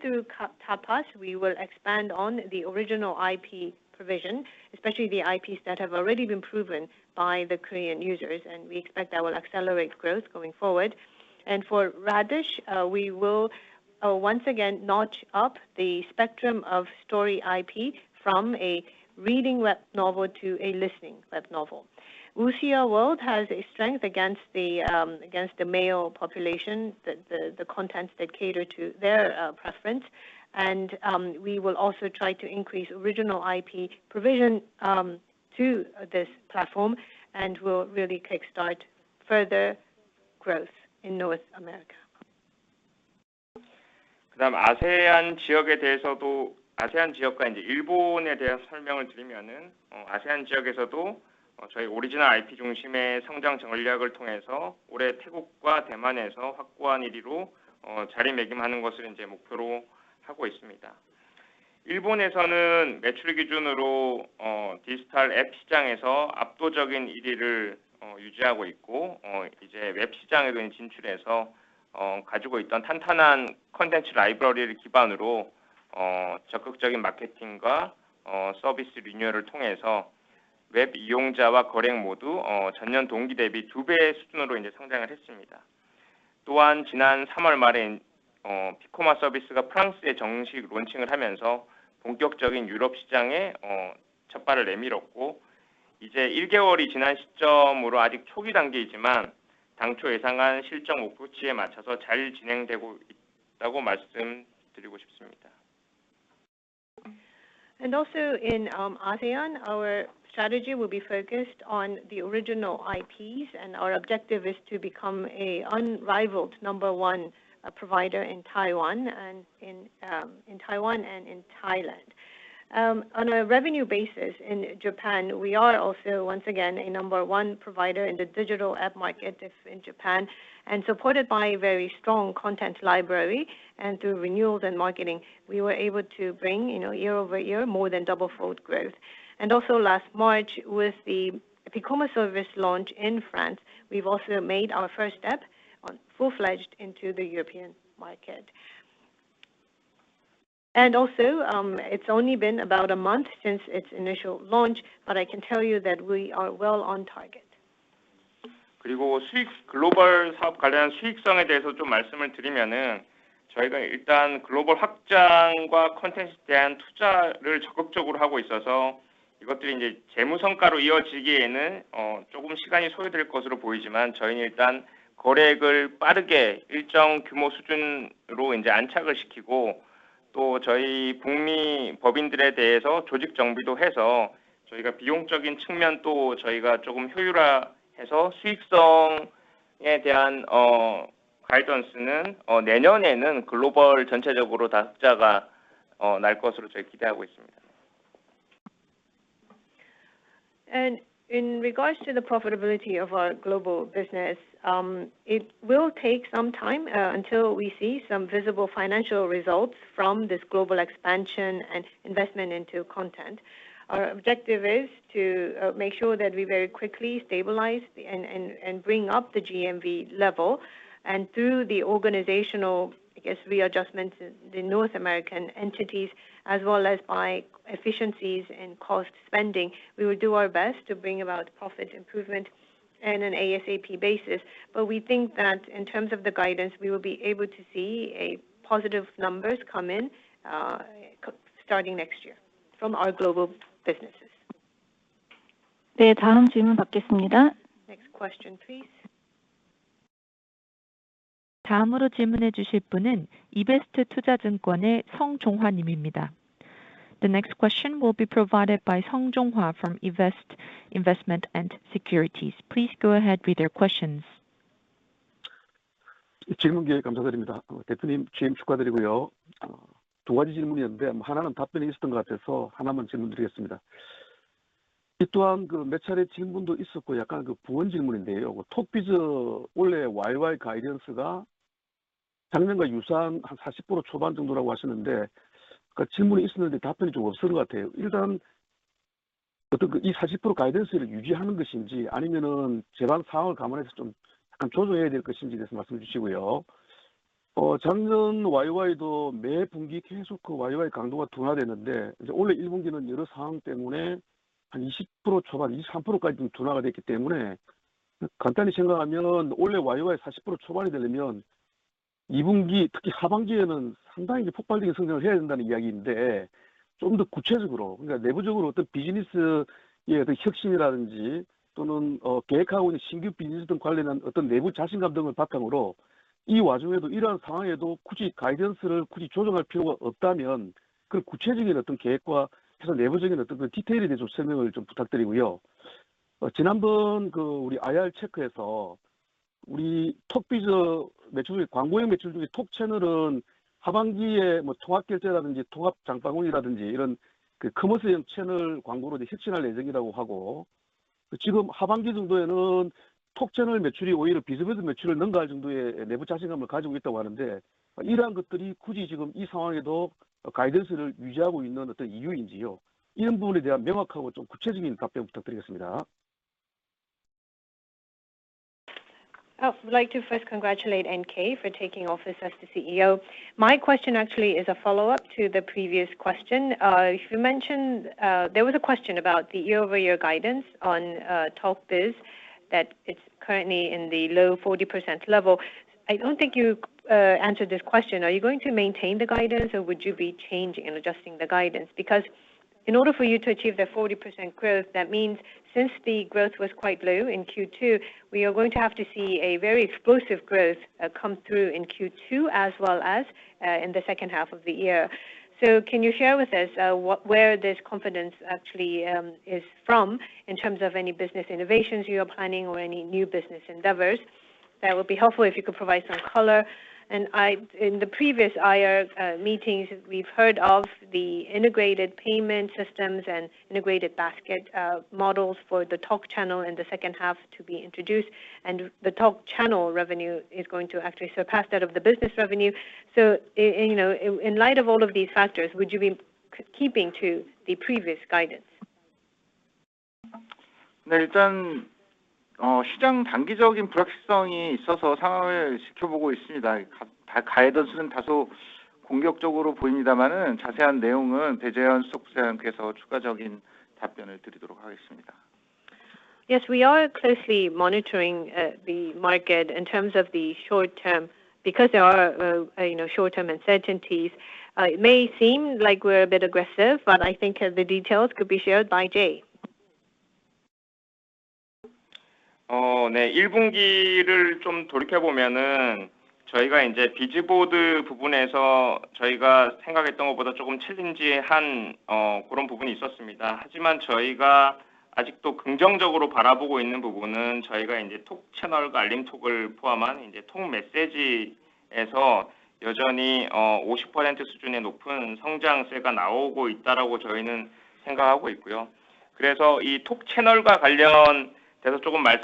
Through Kakao Tapas, we will expand on the original IP provision, especially the IPs that have already been proven by the Korean users, and we expect that will accelerate growth going forward. For Radish, we will once again notch up the spectrum of story IP from a reading web novel to a listening web novel. Wuxiaworld has a strength against the male population, the contents that cater to their preference and we will also try to increase original IP provision to this platform and will really kick-start further growth in North America. Also in ASEAN, our strategy will be focused on the original IPs and our objective is to become an unrivaled number one provider in Taiwan and in Thailand. On a revenue basis in Japan, we are also once again a number one provider in the digital app market in Japan, and supported by a very strong content library and through renewals and marketing, we were able to bring year-over-year more than double fold growth. Last March with the Piccoma service launch in France, we've also made our first full-fledged step into the European market. It's only been about a month since its initial launch, but I can tell you that we are well on target. In regards to the profitability of our global business, it will take some time until we see some visible financial results from this global expansion and investment into content. Our objective is to make sure that we very quickly stabilize and bring up the GMV level and through the organizational, I guess, readjustment to the North American entities as well as by efficiencies and cost spending, we will do our best to bring about profit improvement in an ASAP basis. We think that in terms of the guidance, we will be able to see positive numbers come in, starting next year from our global businesses. Next question, please. The next question will be provided by Seong Jong-hwa from NH Investment & Securities. Please go ahead with your questions. Thank you for the opportunity to ask a question. Congratulations on your appointment as CEO. There were two questions, but one of them seemed to have been answered, so I will ask just one question. This has also been asked a few times, and it is a follow-up question. You said that the annual guidance for Talk Biz this year is similar to last year, around 40%, but there was no answer to the question. First of all, are you going to maintain this 40% guidance, or are you going to adjust it in consideration of the current situation? Last year, the YoY growth continued to weaken every quarter, but this first quarter, due to various circumstances, it weakened to around 20%, up to 23%. If you think about it simply, if this year's YoY is in the early 40s%, then in the second quarter, especially in the second half, there is a story that growth has to explode significantly. In a little more specific, in other words, internal business innovation or planning new businesses, based on internal confidence, even in this situation, if there is no need to adjust the guidance, please explain the specific plan and some details about the company. Last time in our IR check, our Talk Biz advertising revenue, among the top channels, is expected to be revolutionized by integrated payment or integrated shopping cart e-commerce-type channel advertising in the second half, and now in the second half, Talk channel revenue is said to have internal confidence that it will exceed business revenue. Are these the reasons why you are maintaining the guidance in this situation? Please give me a clear and specific answer to this question. I would like to first congratulate NK for taking office as the CEO. My question actually is a follow-up to the previous question. If you mentioned, there was a question about the year-over-year guidance on Talk Biz that it's currently in the low 40% level. I don't think you answered this question. Are you going to maintain the guidance or would you be changing and adjusting the guidance? Because in order for you to achieve the 40% growth, that means since the growth was quite low in Q2, we are going to have to see a very explosive growth come through in Q2 as well as in the second half of the year. Can you share with us what, where this confidence actually is from in terms of any business innovations you are planning or any new business endeavors? That would be helpful if you could provide some color. In the previous IR meetings, we've heard of the integrated payment systems and integrated basket models for the Talk Channel in the second half to be introduced, and the Talk Channel revenue is going to actually surpass that of the business revenue. In light of all of these factors, would you be keeping to the previous guidance? Yes, we are closely monitoring the market in terms of the short term, because there are, you know, short-term uncertainties. It may seem like we're a bit aggressive, but I think the details could be shared by Jae.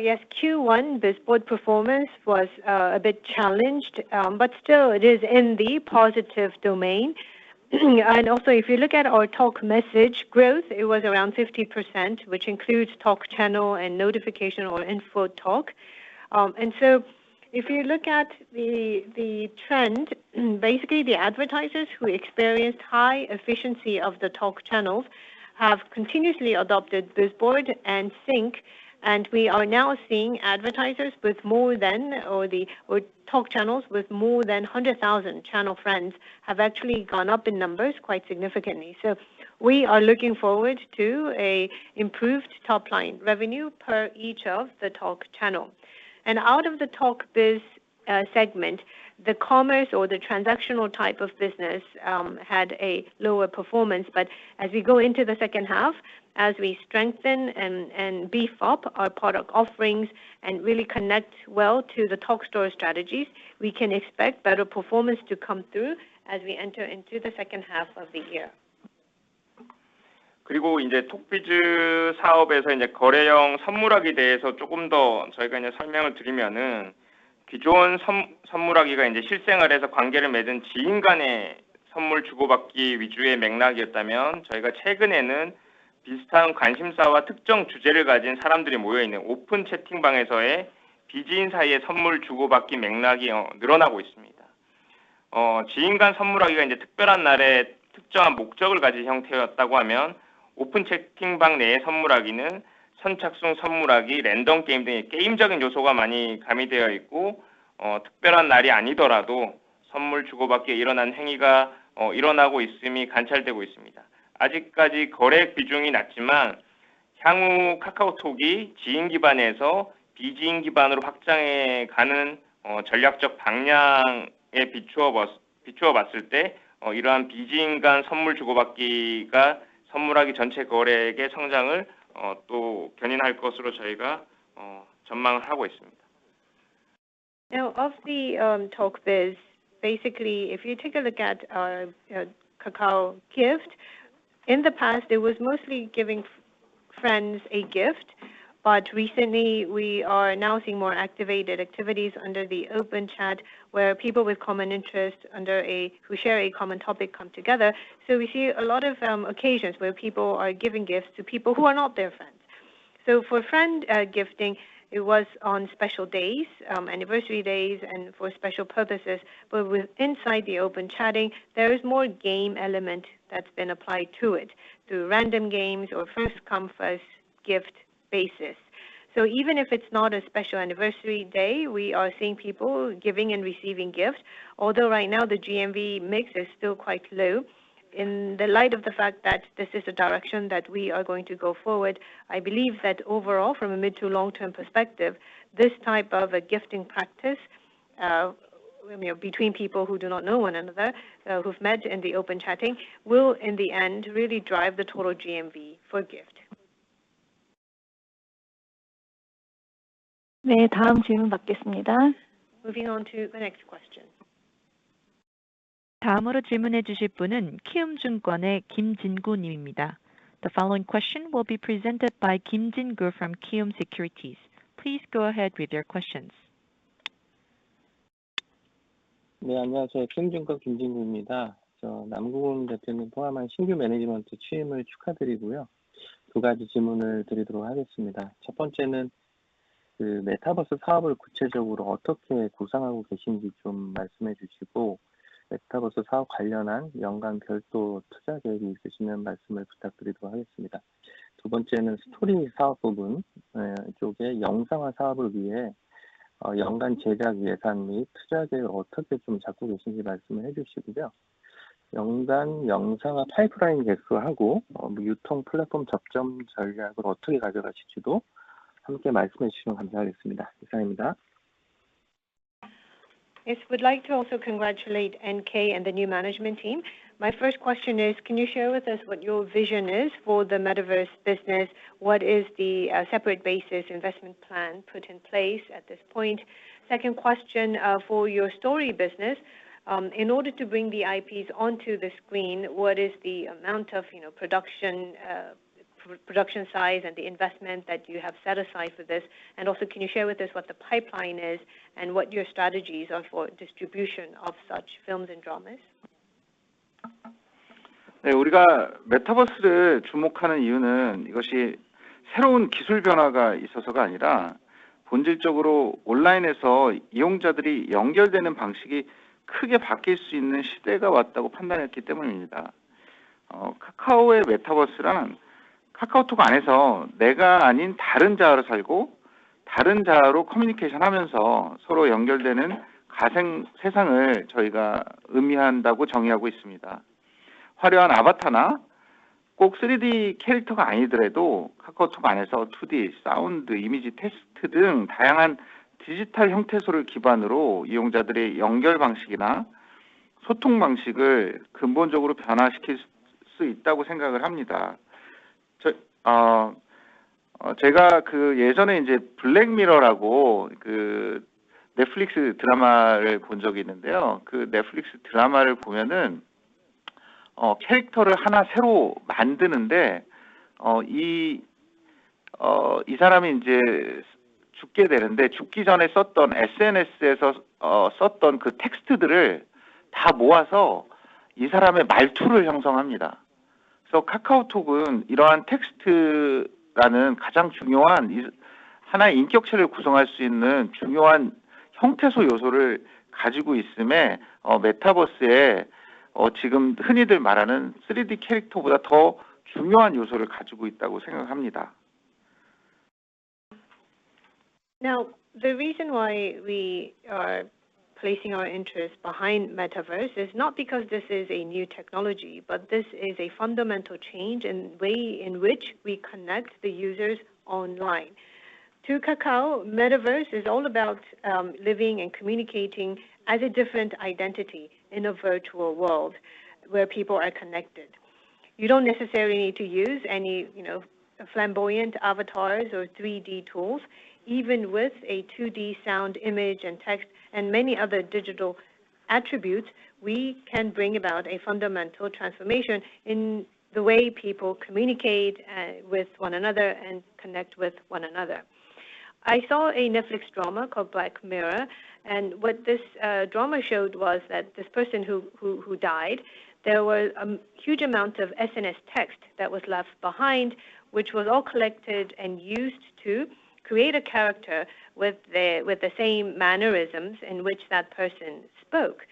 Yes. Q1 Bizboard performance was a bit challenged, but still it is in the positive domain. If you look at our Talk message growth, it was around 50%, which includes Talk channel and notification or Info Talk. If you look at the trend, basically the advertisers who experienced high efficiency of the Talk channels have continuously adopted Bizboard and Sync, and we are now seeing Talk channels with more than 100,000 channel friends have actually gone up in numbers quite significantly. We are looking forward to an improved top line revenue per each of the Talk channel. Out of the Talk Biz segment, the commerce or the transactional type of business had a lower performance. As we go into the second half, as we strengthen and beef up our product offerings and really connect well to the Talk Store strategies, we can expect better performance to come through as we enter into the second half of the year. Also, if we explain a little more about the Talk Biz business, if the existing Gift was a context of giving and receiving gifts between acquaintances in real life, recently, the context of giving and receiving gifts between non-acquaintances in open chat rooms where people with similar interests and specific topics are gathered is increasing. If giving gifts to acquaintances was a form with a specific purpose on a special day, giving gifts in open chat rooms includes elements such as pre-scheduled gifts, random games, and so on, and it is observed that gift giving is happening even if it is not a special day. The proportion of transactions is still low, but when viewed in the strategic direction of KakaoTalk expanding from an acquaintance-based to a non-acquaintance-based, we expect that this gift giving between non-acquaintances will drive the overall growth of the Gift business. Now, of the Talk Biz, basically, if you take a look at Kakao Gift, in the past, it was mostly giving friends a gift, but recently we are now seeing more activated activities under the open chat, where people with common interests who share a common topic come together. We see a lot of occasions where people are giving gifts to people who are not their friends. For friend gifting, it was on special days, anniversary days and for special purposes, but inside the open chatting, there is more game element that's been applied to it, through random games or first come first gift basis. Even if it's not a special anniversary day, we are seeing people giving and receiving gifts. Although right now the GMV mix is still quite low, in the light of the fact that this is a direction that we are going to go forward, I believe that overall, from a mid to long-term perspective, this type of a gifting practice, you know, between people who do not know one another, who've met in the open chatting will in the end really drive the total GMV for Gift. Moving on to the next question. The following question will be presented by Kim Jin-Goo from Kiwoom Securities. Please go ahead with your questions. production size and the investment that you have set aside for this? Also, can you share with us what the pipeline is and what your strategies are for distribution of such films and dramas? The reason we are focusing on metaverse is not because of new technological changes, but because we have judged that the era has come when the way users are connected online can change dramatically. Kakao's metaverse is defined as a virtual world where I live as someone other than myself in KakaoTalk and communicate with others as someone else. I think that we can fundamentally change the way users are connected or communicate, based on various digital forms such as colorful avatars, not necessarily 3D characters, 2D sound, image, text, etc. inside KakaoTalk. I have seen a Netflix drama called Black Mirror before. In that Netflix drama, they create a new character, and this character. Now, the reason why we are placing our interest behind metaverse is not because this is a new technology, but this is a fundamental change in way in which we connect the users online. To Kakao, metaverse is all about living and communicating as a different identity in a virtual world where people are connected. You don't necessarily need to use any, you know, flamboyant avatars or 3D tools. Even with a 2D sound image and text and many other digital attributes, we can bring about a fundamental transformation in the way people communicate with one another and connect with one another. I saw a Netflix drama called Black Mirror, and what this drama showed was that this person who died, there was huge amount of SNS text that was left behind, which was all collected and used to create a character with the same mannerisms in which that person spoke.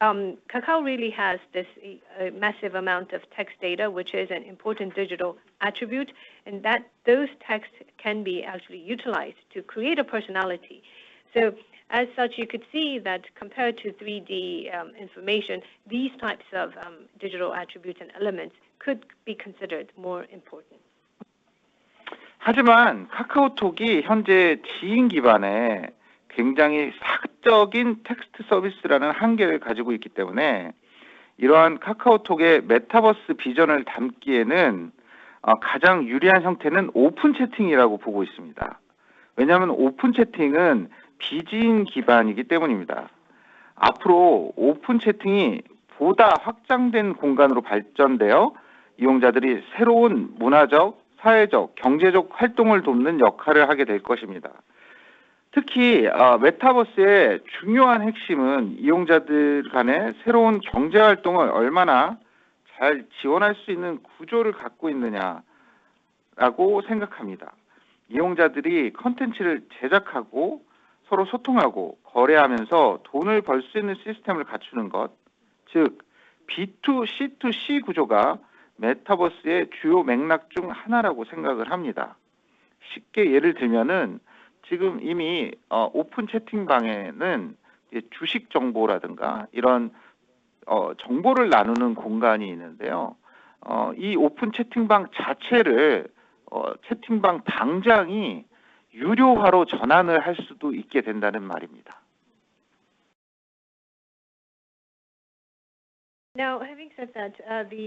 Kakao really has this massive amount of text data, which is an important digital attribute, and that those texts can be actually utilized to create a personality. As such, you could see that compared to 3D information, these types of digital attributes and elements could be considered more important. Now, having said that, the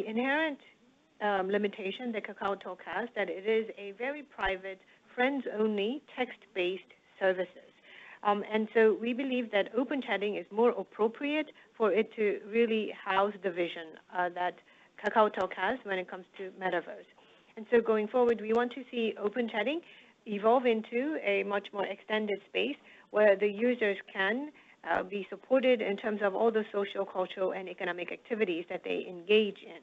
inherent limitation that KakaoTalk has, that it is a very private friends-only text-based services. We believe that open chatting is more appropriate for it to really house the vision that KakaoTalk has when it comes to metaverse. Going forward, we want to see open chatting evolve into a much more extended space where the users can be supported in terms of all the social, cultural, and economic activities that they engage in.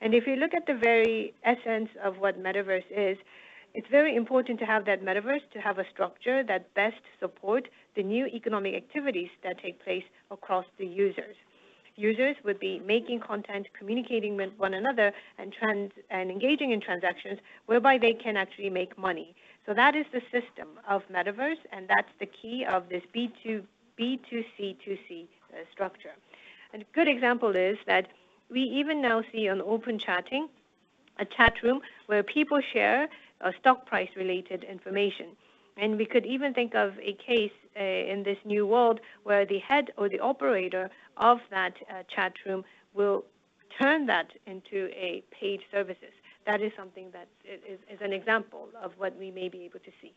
If you look at the very essence of what metaverse is, it's very important to have that metaverse to have a structure that best support the new economic activities that take place across the users. Users would be making content, communicating with one another, and engaging in transactions whereby they can actually make money. That is the system of metaverse, and that's the key of this B2B2C structure. A good example is that we even now see on open chatting, a chat room where people share stock price-related information. We could even think of a case in this new world where the head or the operator of that chat room will turn that into a paid services. That is something that is an example of what we may be able to see.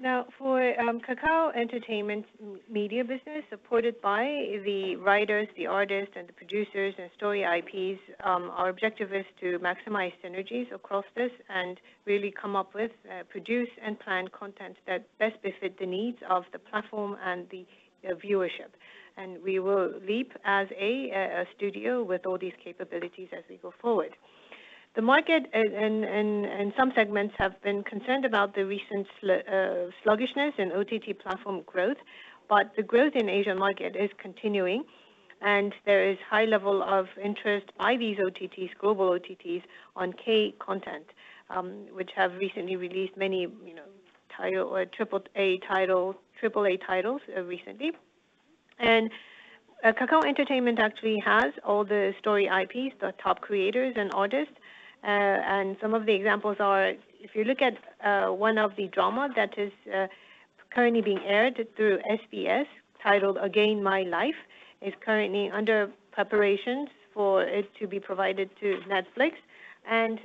Now for Kakao Entertainment media business supported by the writers, the artists, and the producers, and story IPs, our objective is to maximize synergies across this and really come up with produce and plan content that best befit the needs of the platform and the viewership. We will leap as a studio with all these capabilities as we go forward. The market and some segments have been concerned about the recent sluggishness in OTT platform growth. The growth in Asian market is continuing, and there is high level of interest by these OTTs, global OTTs, on K content, which have recently released many, you know, triple A titles recently. Kakao Entertainment actually has all the story IPs, the top creators and artists. Some of the examples are, if you look at, one of the drama that is, currently being aired through SBS titled Again My Life, is currently under preparations for it to be provided to Netflix.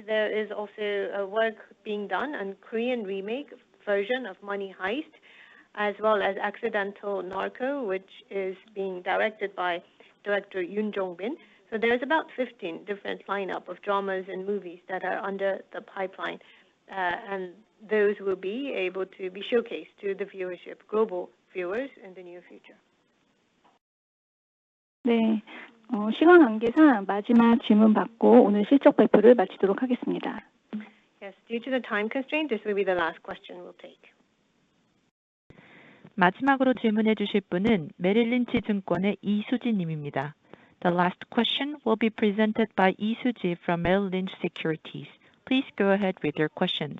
There is also a work being done on Korean remake version of Money Heist, as well as Narco-Saints, which is being directed by Director Yoon Jong-bin. There is about 15 different lineup of dramas and movies that are in the pipeline, and those will be able to be showcased to the viewership, global viewers in the near future. Yes, due to the time constraint, this will be the last question we'll take. The last question will be presented by Lee Suji from Merrill Lynch Securities. Please go ahead with your questions.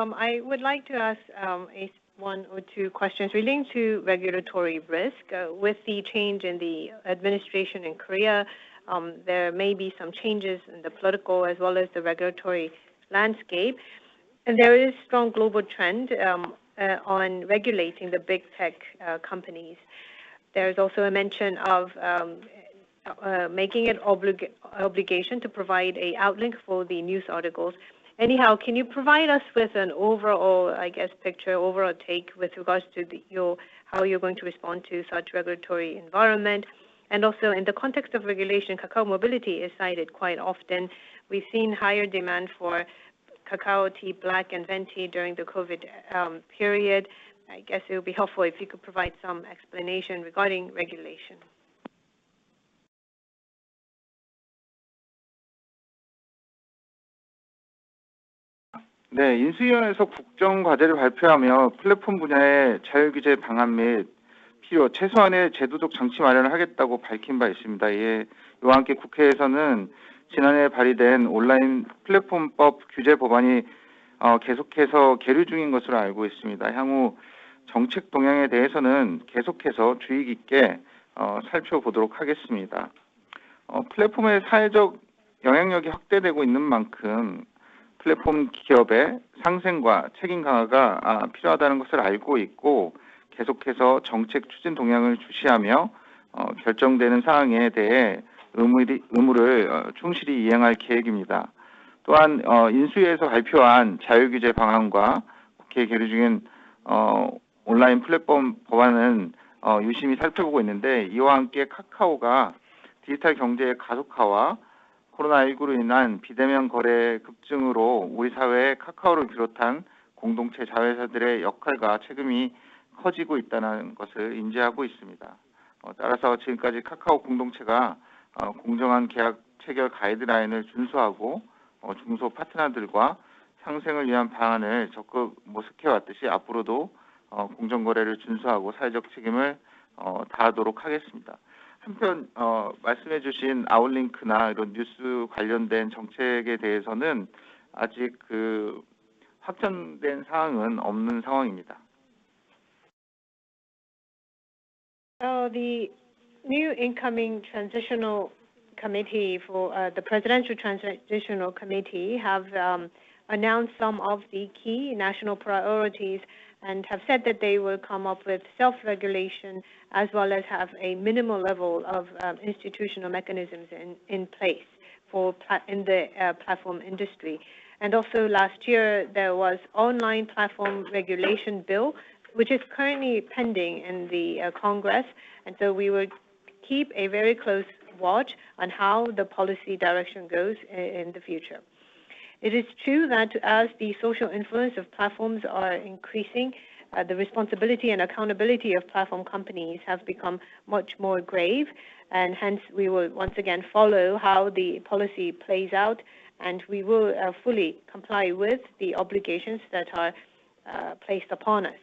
I would like to ask one or two questions relating to regulatory risk. With the change in the administration in Korea, there may be some changes in the political and regulatory landscape. There is strong global trend on regulating the big tech companies. There is also a mention of making it obligation to provide a outlink for the news articles. Anyhow, can you provide us with an overall, I guess, picture, overall take with regards to how you're going to respond to such regulatory environment? Also in the context of regulation, Kakao Mobility is cited quite often. We've seen higher demand for Kakao T Black and Venti during the COVID period. I guess it would be helpful if you could provide some explanation regarding regulation. 인수위원회에서 국정 과제를 발표하며 플랫폼 분야의 자율 규제 방안 및 필요 최소한의 제도적 장치 마련을 하겠다고 밝힌 바 있습니다. 이와 함께 국회에서는 지난해 발의된 온라인 플랫폼법 규제 법안이 계속해서 계류 중인 것으로 알고 있습니다. 향후 정책 동향에 대해서는 계속해서 주의 깊게 살펴보도록 하겠습니다. 플랫폼의 사회적 영향력이 확대되고 있는 만큼 플랫폼 기업의 상생과 책임 강화가 필요하다는 것을 알고 있고, 계속해서 정책 추진 동향을 주시하며 결정되는 사항에 대해 의무를 충실히 이행할 계획입니다. 또한 인수위에서 발표한 자율규제 방안과 국회에 계류 중인 온라인 플랫폼 법안은 유심히 살펴보고 있는데, 이와 함께 카카오가 디지털 경제의 가속화와 The new incoming transitional committee for the Presidential Transitional Committee have announced some of the key national priorities and have said that they will come up with self-regulation as well as have a minimal level of institutional mechanisms in place for the platform industry. Last year, there was Online Platform Regulation Bill, which is currently pending in the Congress. We would keep a very close watch on how the policy direction goes in the future. It is true that as the social influence of platforms are increasing, the responsibility and accountability of platform companies have become much more grave. We will once again follow how the policy plays out, and we will fully comply with the obligations that are placed upon us.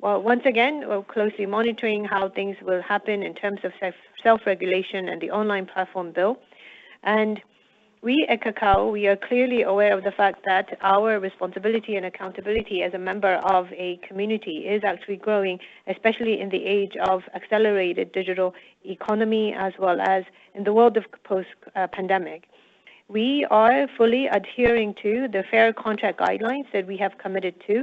Well, once again, we're closely monitoring how things will happen in terms of self-regulation and the Online Platform Regulation Bill. We at Kakao are clearly aware of the fact that our responsibility and accountability as a member of a community is actually growing, especially in the age of accelerated digital economy, as well as in the world of post-pandemic. We are fully adhering to the Fair Contract Guidelines that we have committed to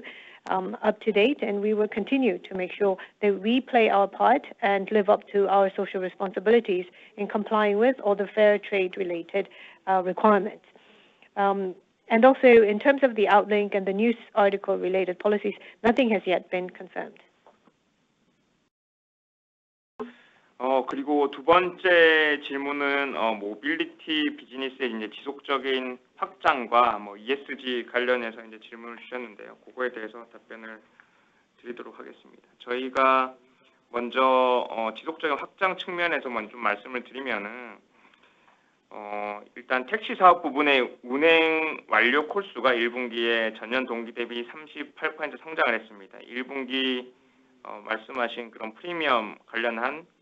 up to date, and we will continue to make sure that we play our part and live up to our social responsibilities in complying with all the fair trade-related requirements. Also in terms of the outlink and the news article-related policies, nothing has yet been confirmed.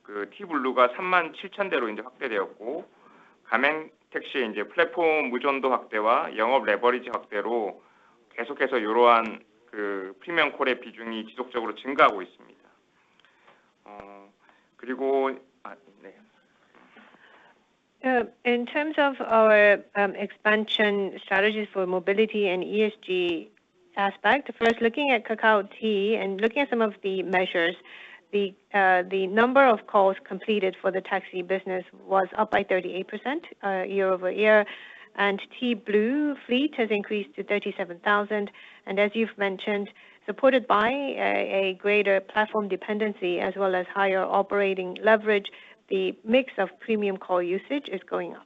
In terms of our expansion strategies for mobility and ESG aspect, first looking at Kakao T and looking at some of the measures, the number of calls completed for the taxi business was up by 38%, year-over-year, and Kakao T Blue fleet has increased to 37,000. As you've mentioned, supported by a greater platform dependency as well as higher operating leverage, the mix of premium call usage is going up.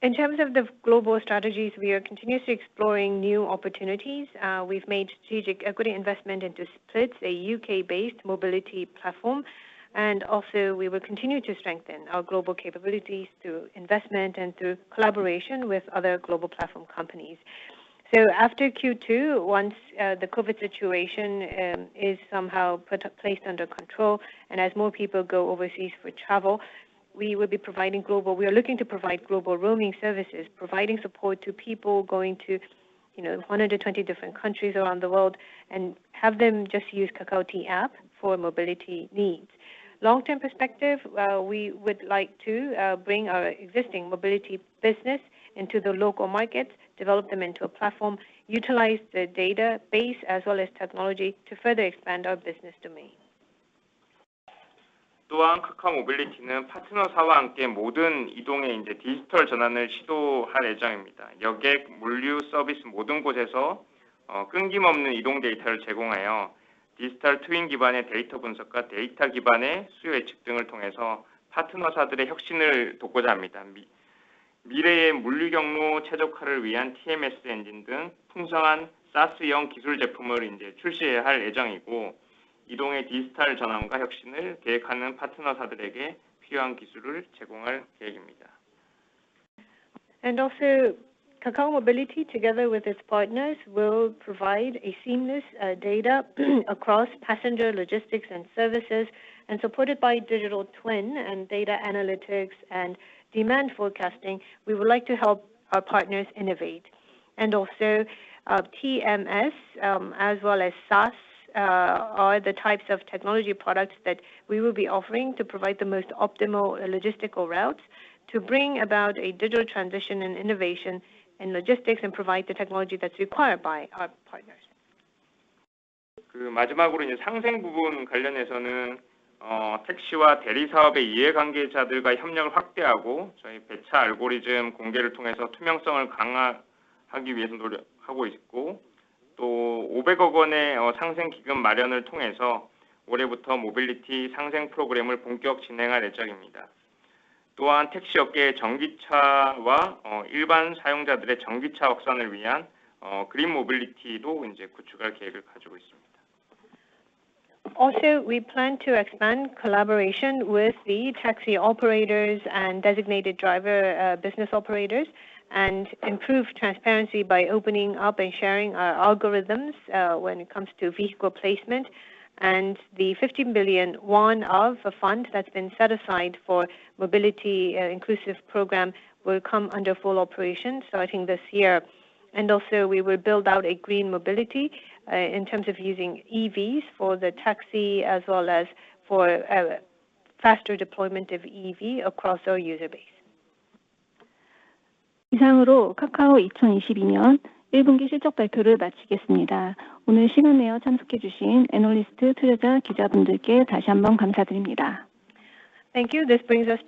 In terms of the global strategies, we are continuously exploring new opportunities. We've made strategic equity investment into Splyt, a UK-based mobility platform. We will continue to strengthen our global capabilities through investment and through collaboration with other global platform companies. After Q2, once the COVID situation is somehow placed under control and as more people go overseas for travel, we are looking to provide global roaming services, providing support to people going to, you know, one of the 20 different countries around the world and have them just use Kakao T app for mobility needs. Long-term perspective, we would like to bring our existing mobility business into the local markets, develop them into a platform, utilize the database as well as technology to further expand our business domain across passenger logistics and services and supported by digital twin and data analytics and demand forecasting, we would like to help our partners innovate. TMS, as well as SaaS, are the types of technology products that we will be offering to provide the most optimal logistical routes to bring about a digital transition and innovation in logistics and provide the technology that's required by our partners. Also, we plan to expand collaboration with the taxi operators and designated driver business operators, and improve transparency by opening up and sharing our algorithms when it comes to vehicle placement. The 50 billion won of a fund that's been set aside for mobility inclusive program will come under full operation, starting this year. We will build out a green mobility in terms of using EVs for the taxi as well as for faster deployment of EV across our user base. Thank you. This brings us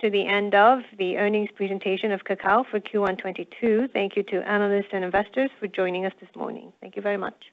to the end of the earnings presentation of Kakao for Q1 2022. Thank you to analysts and investors for joining us this morning. Thank you very much.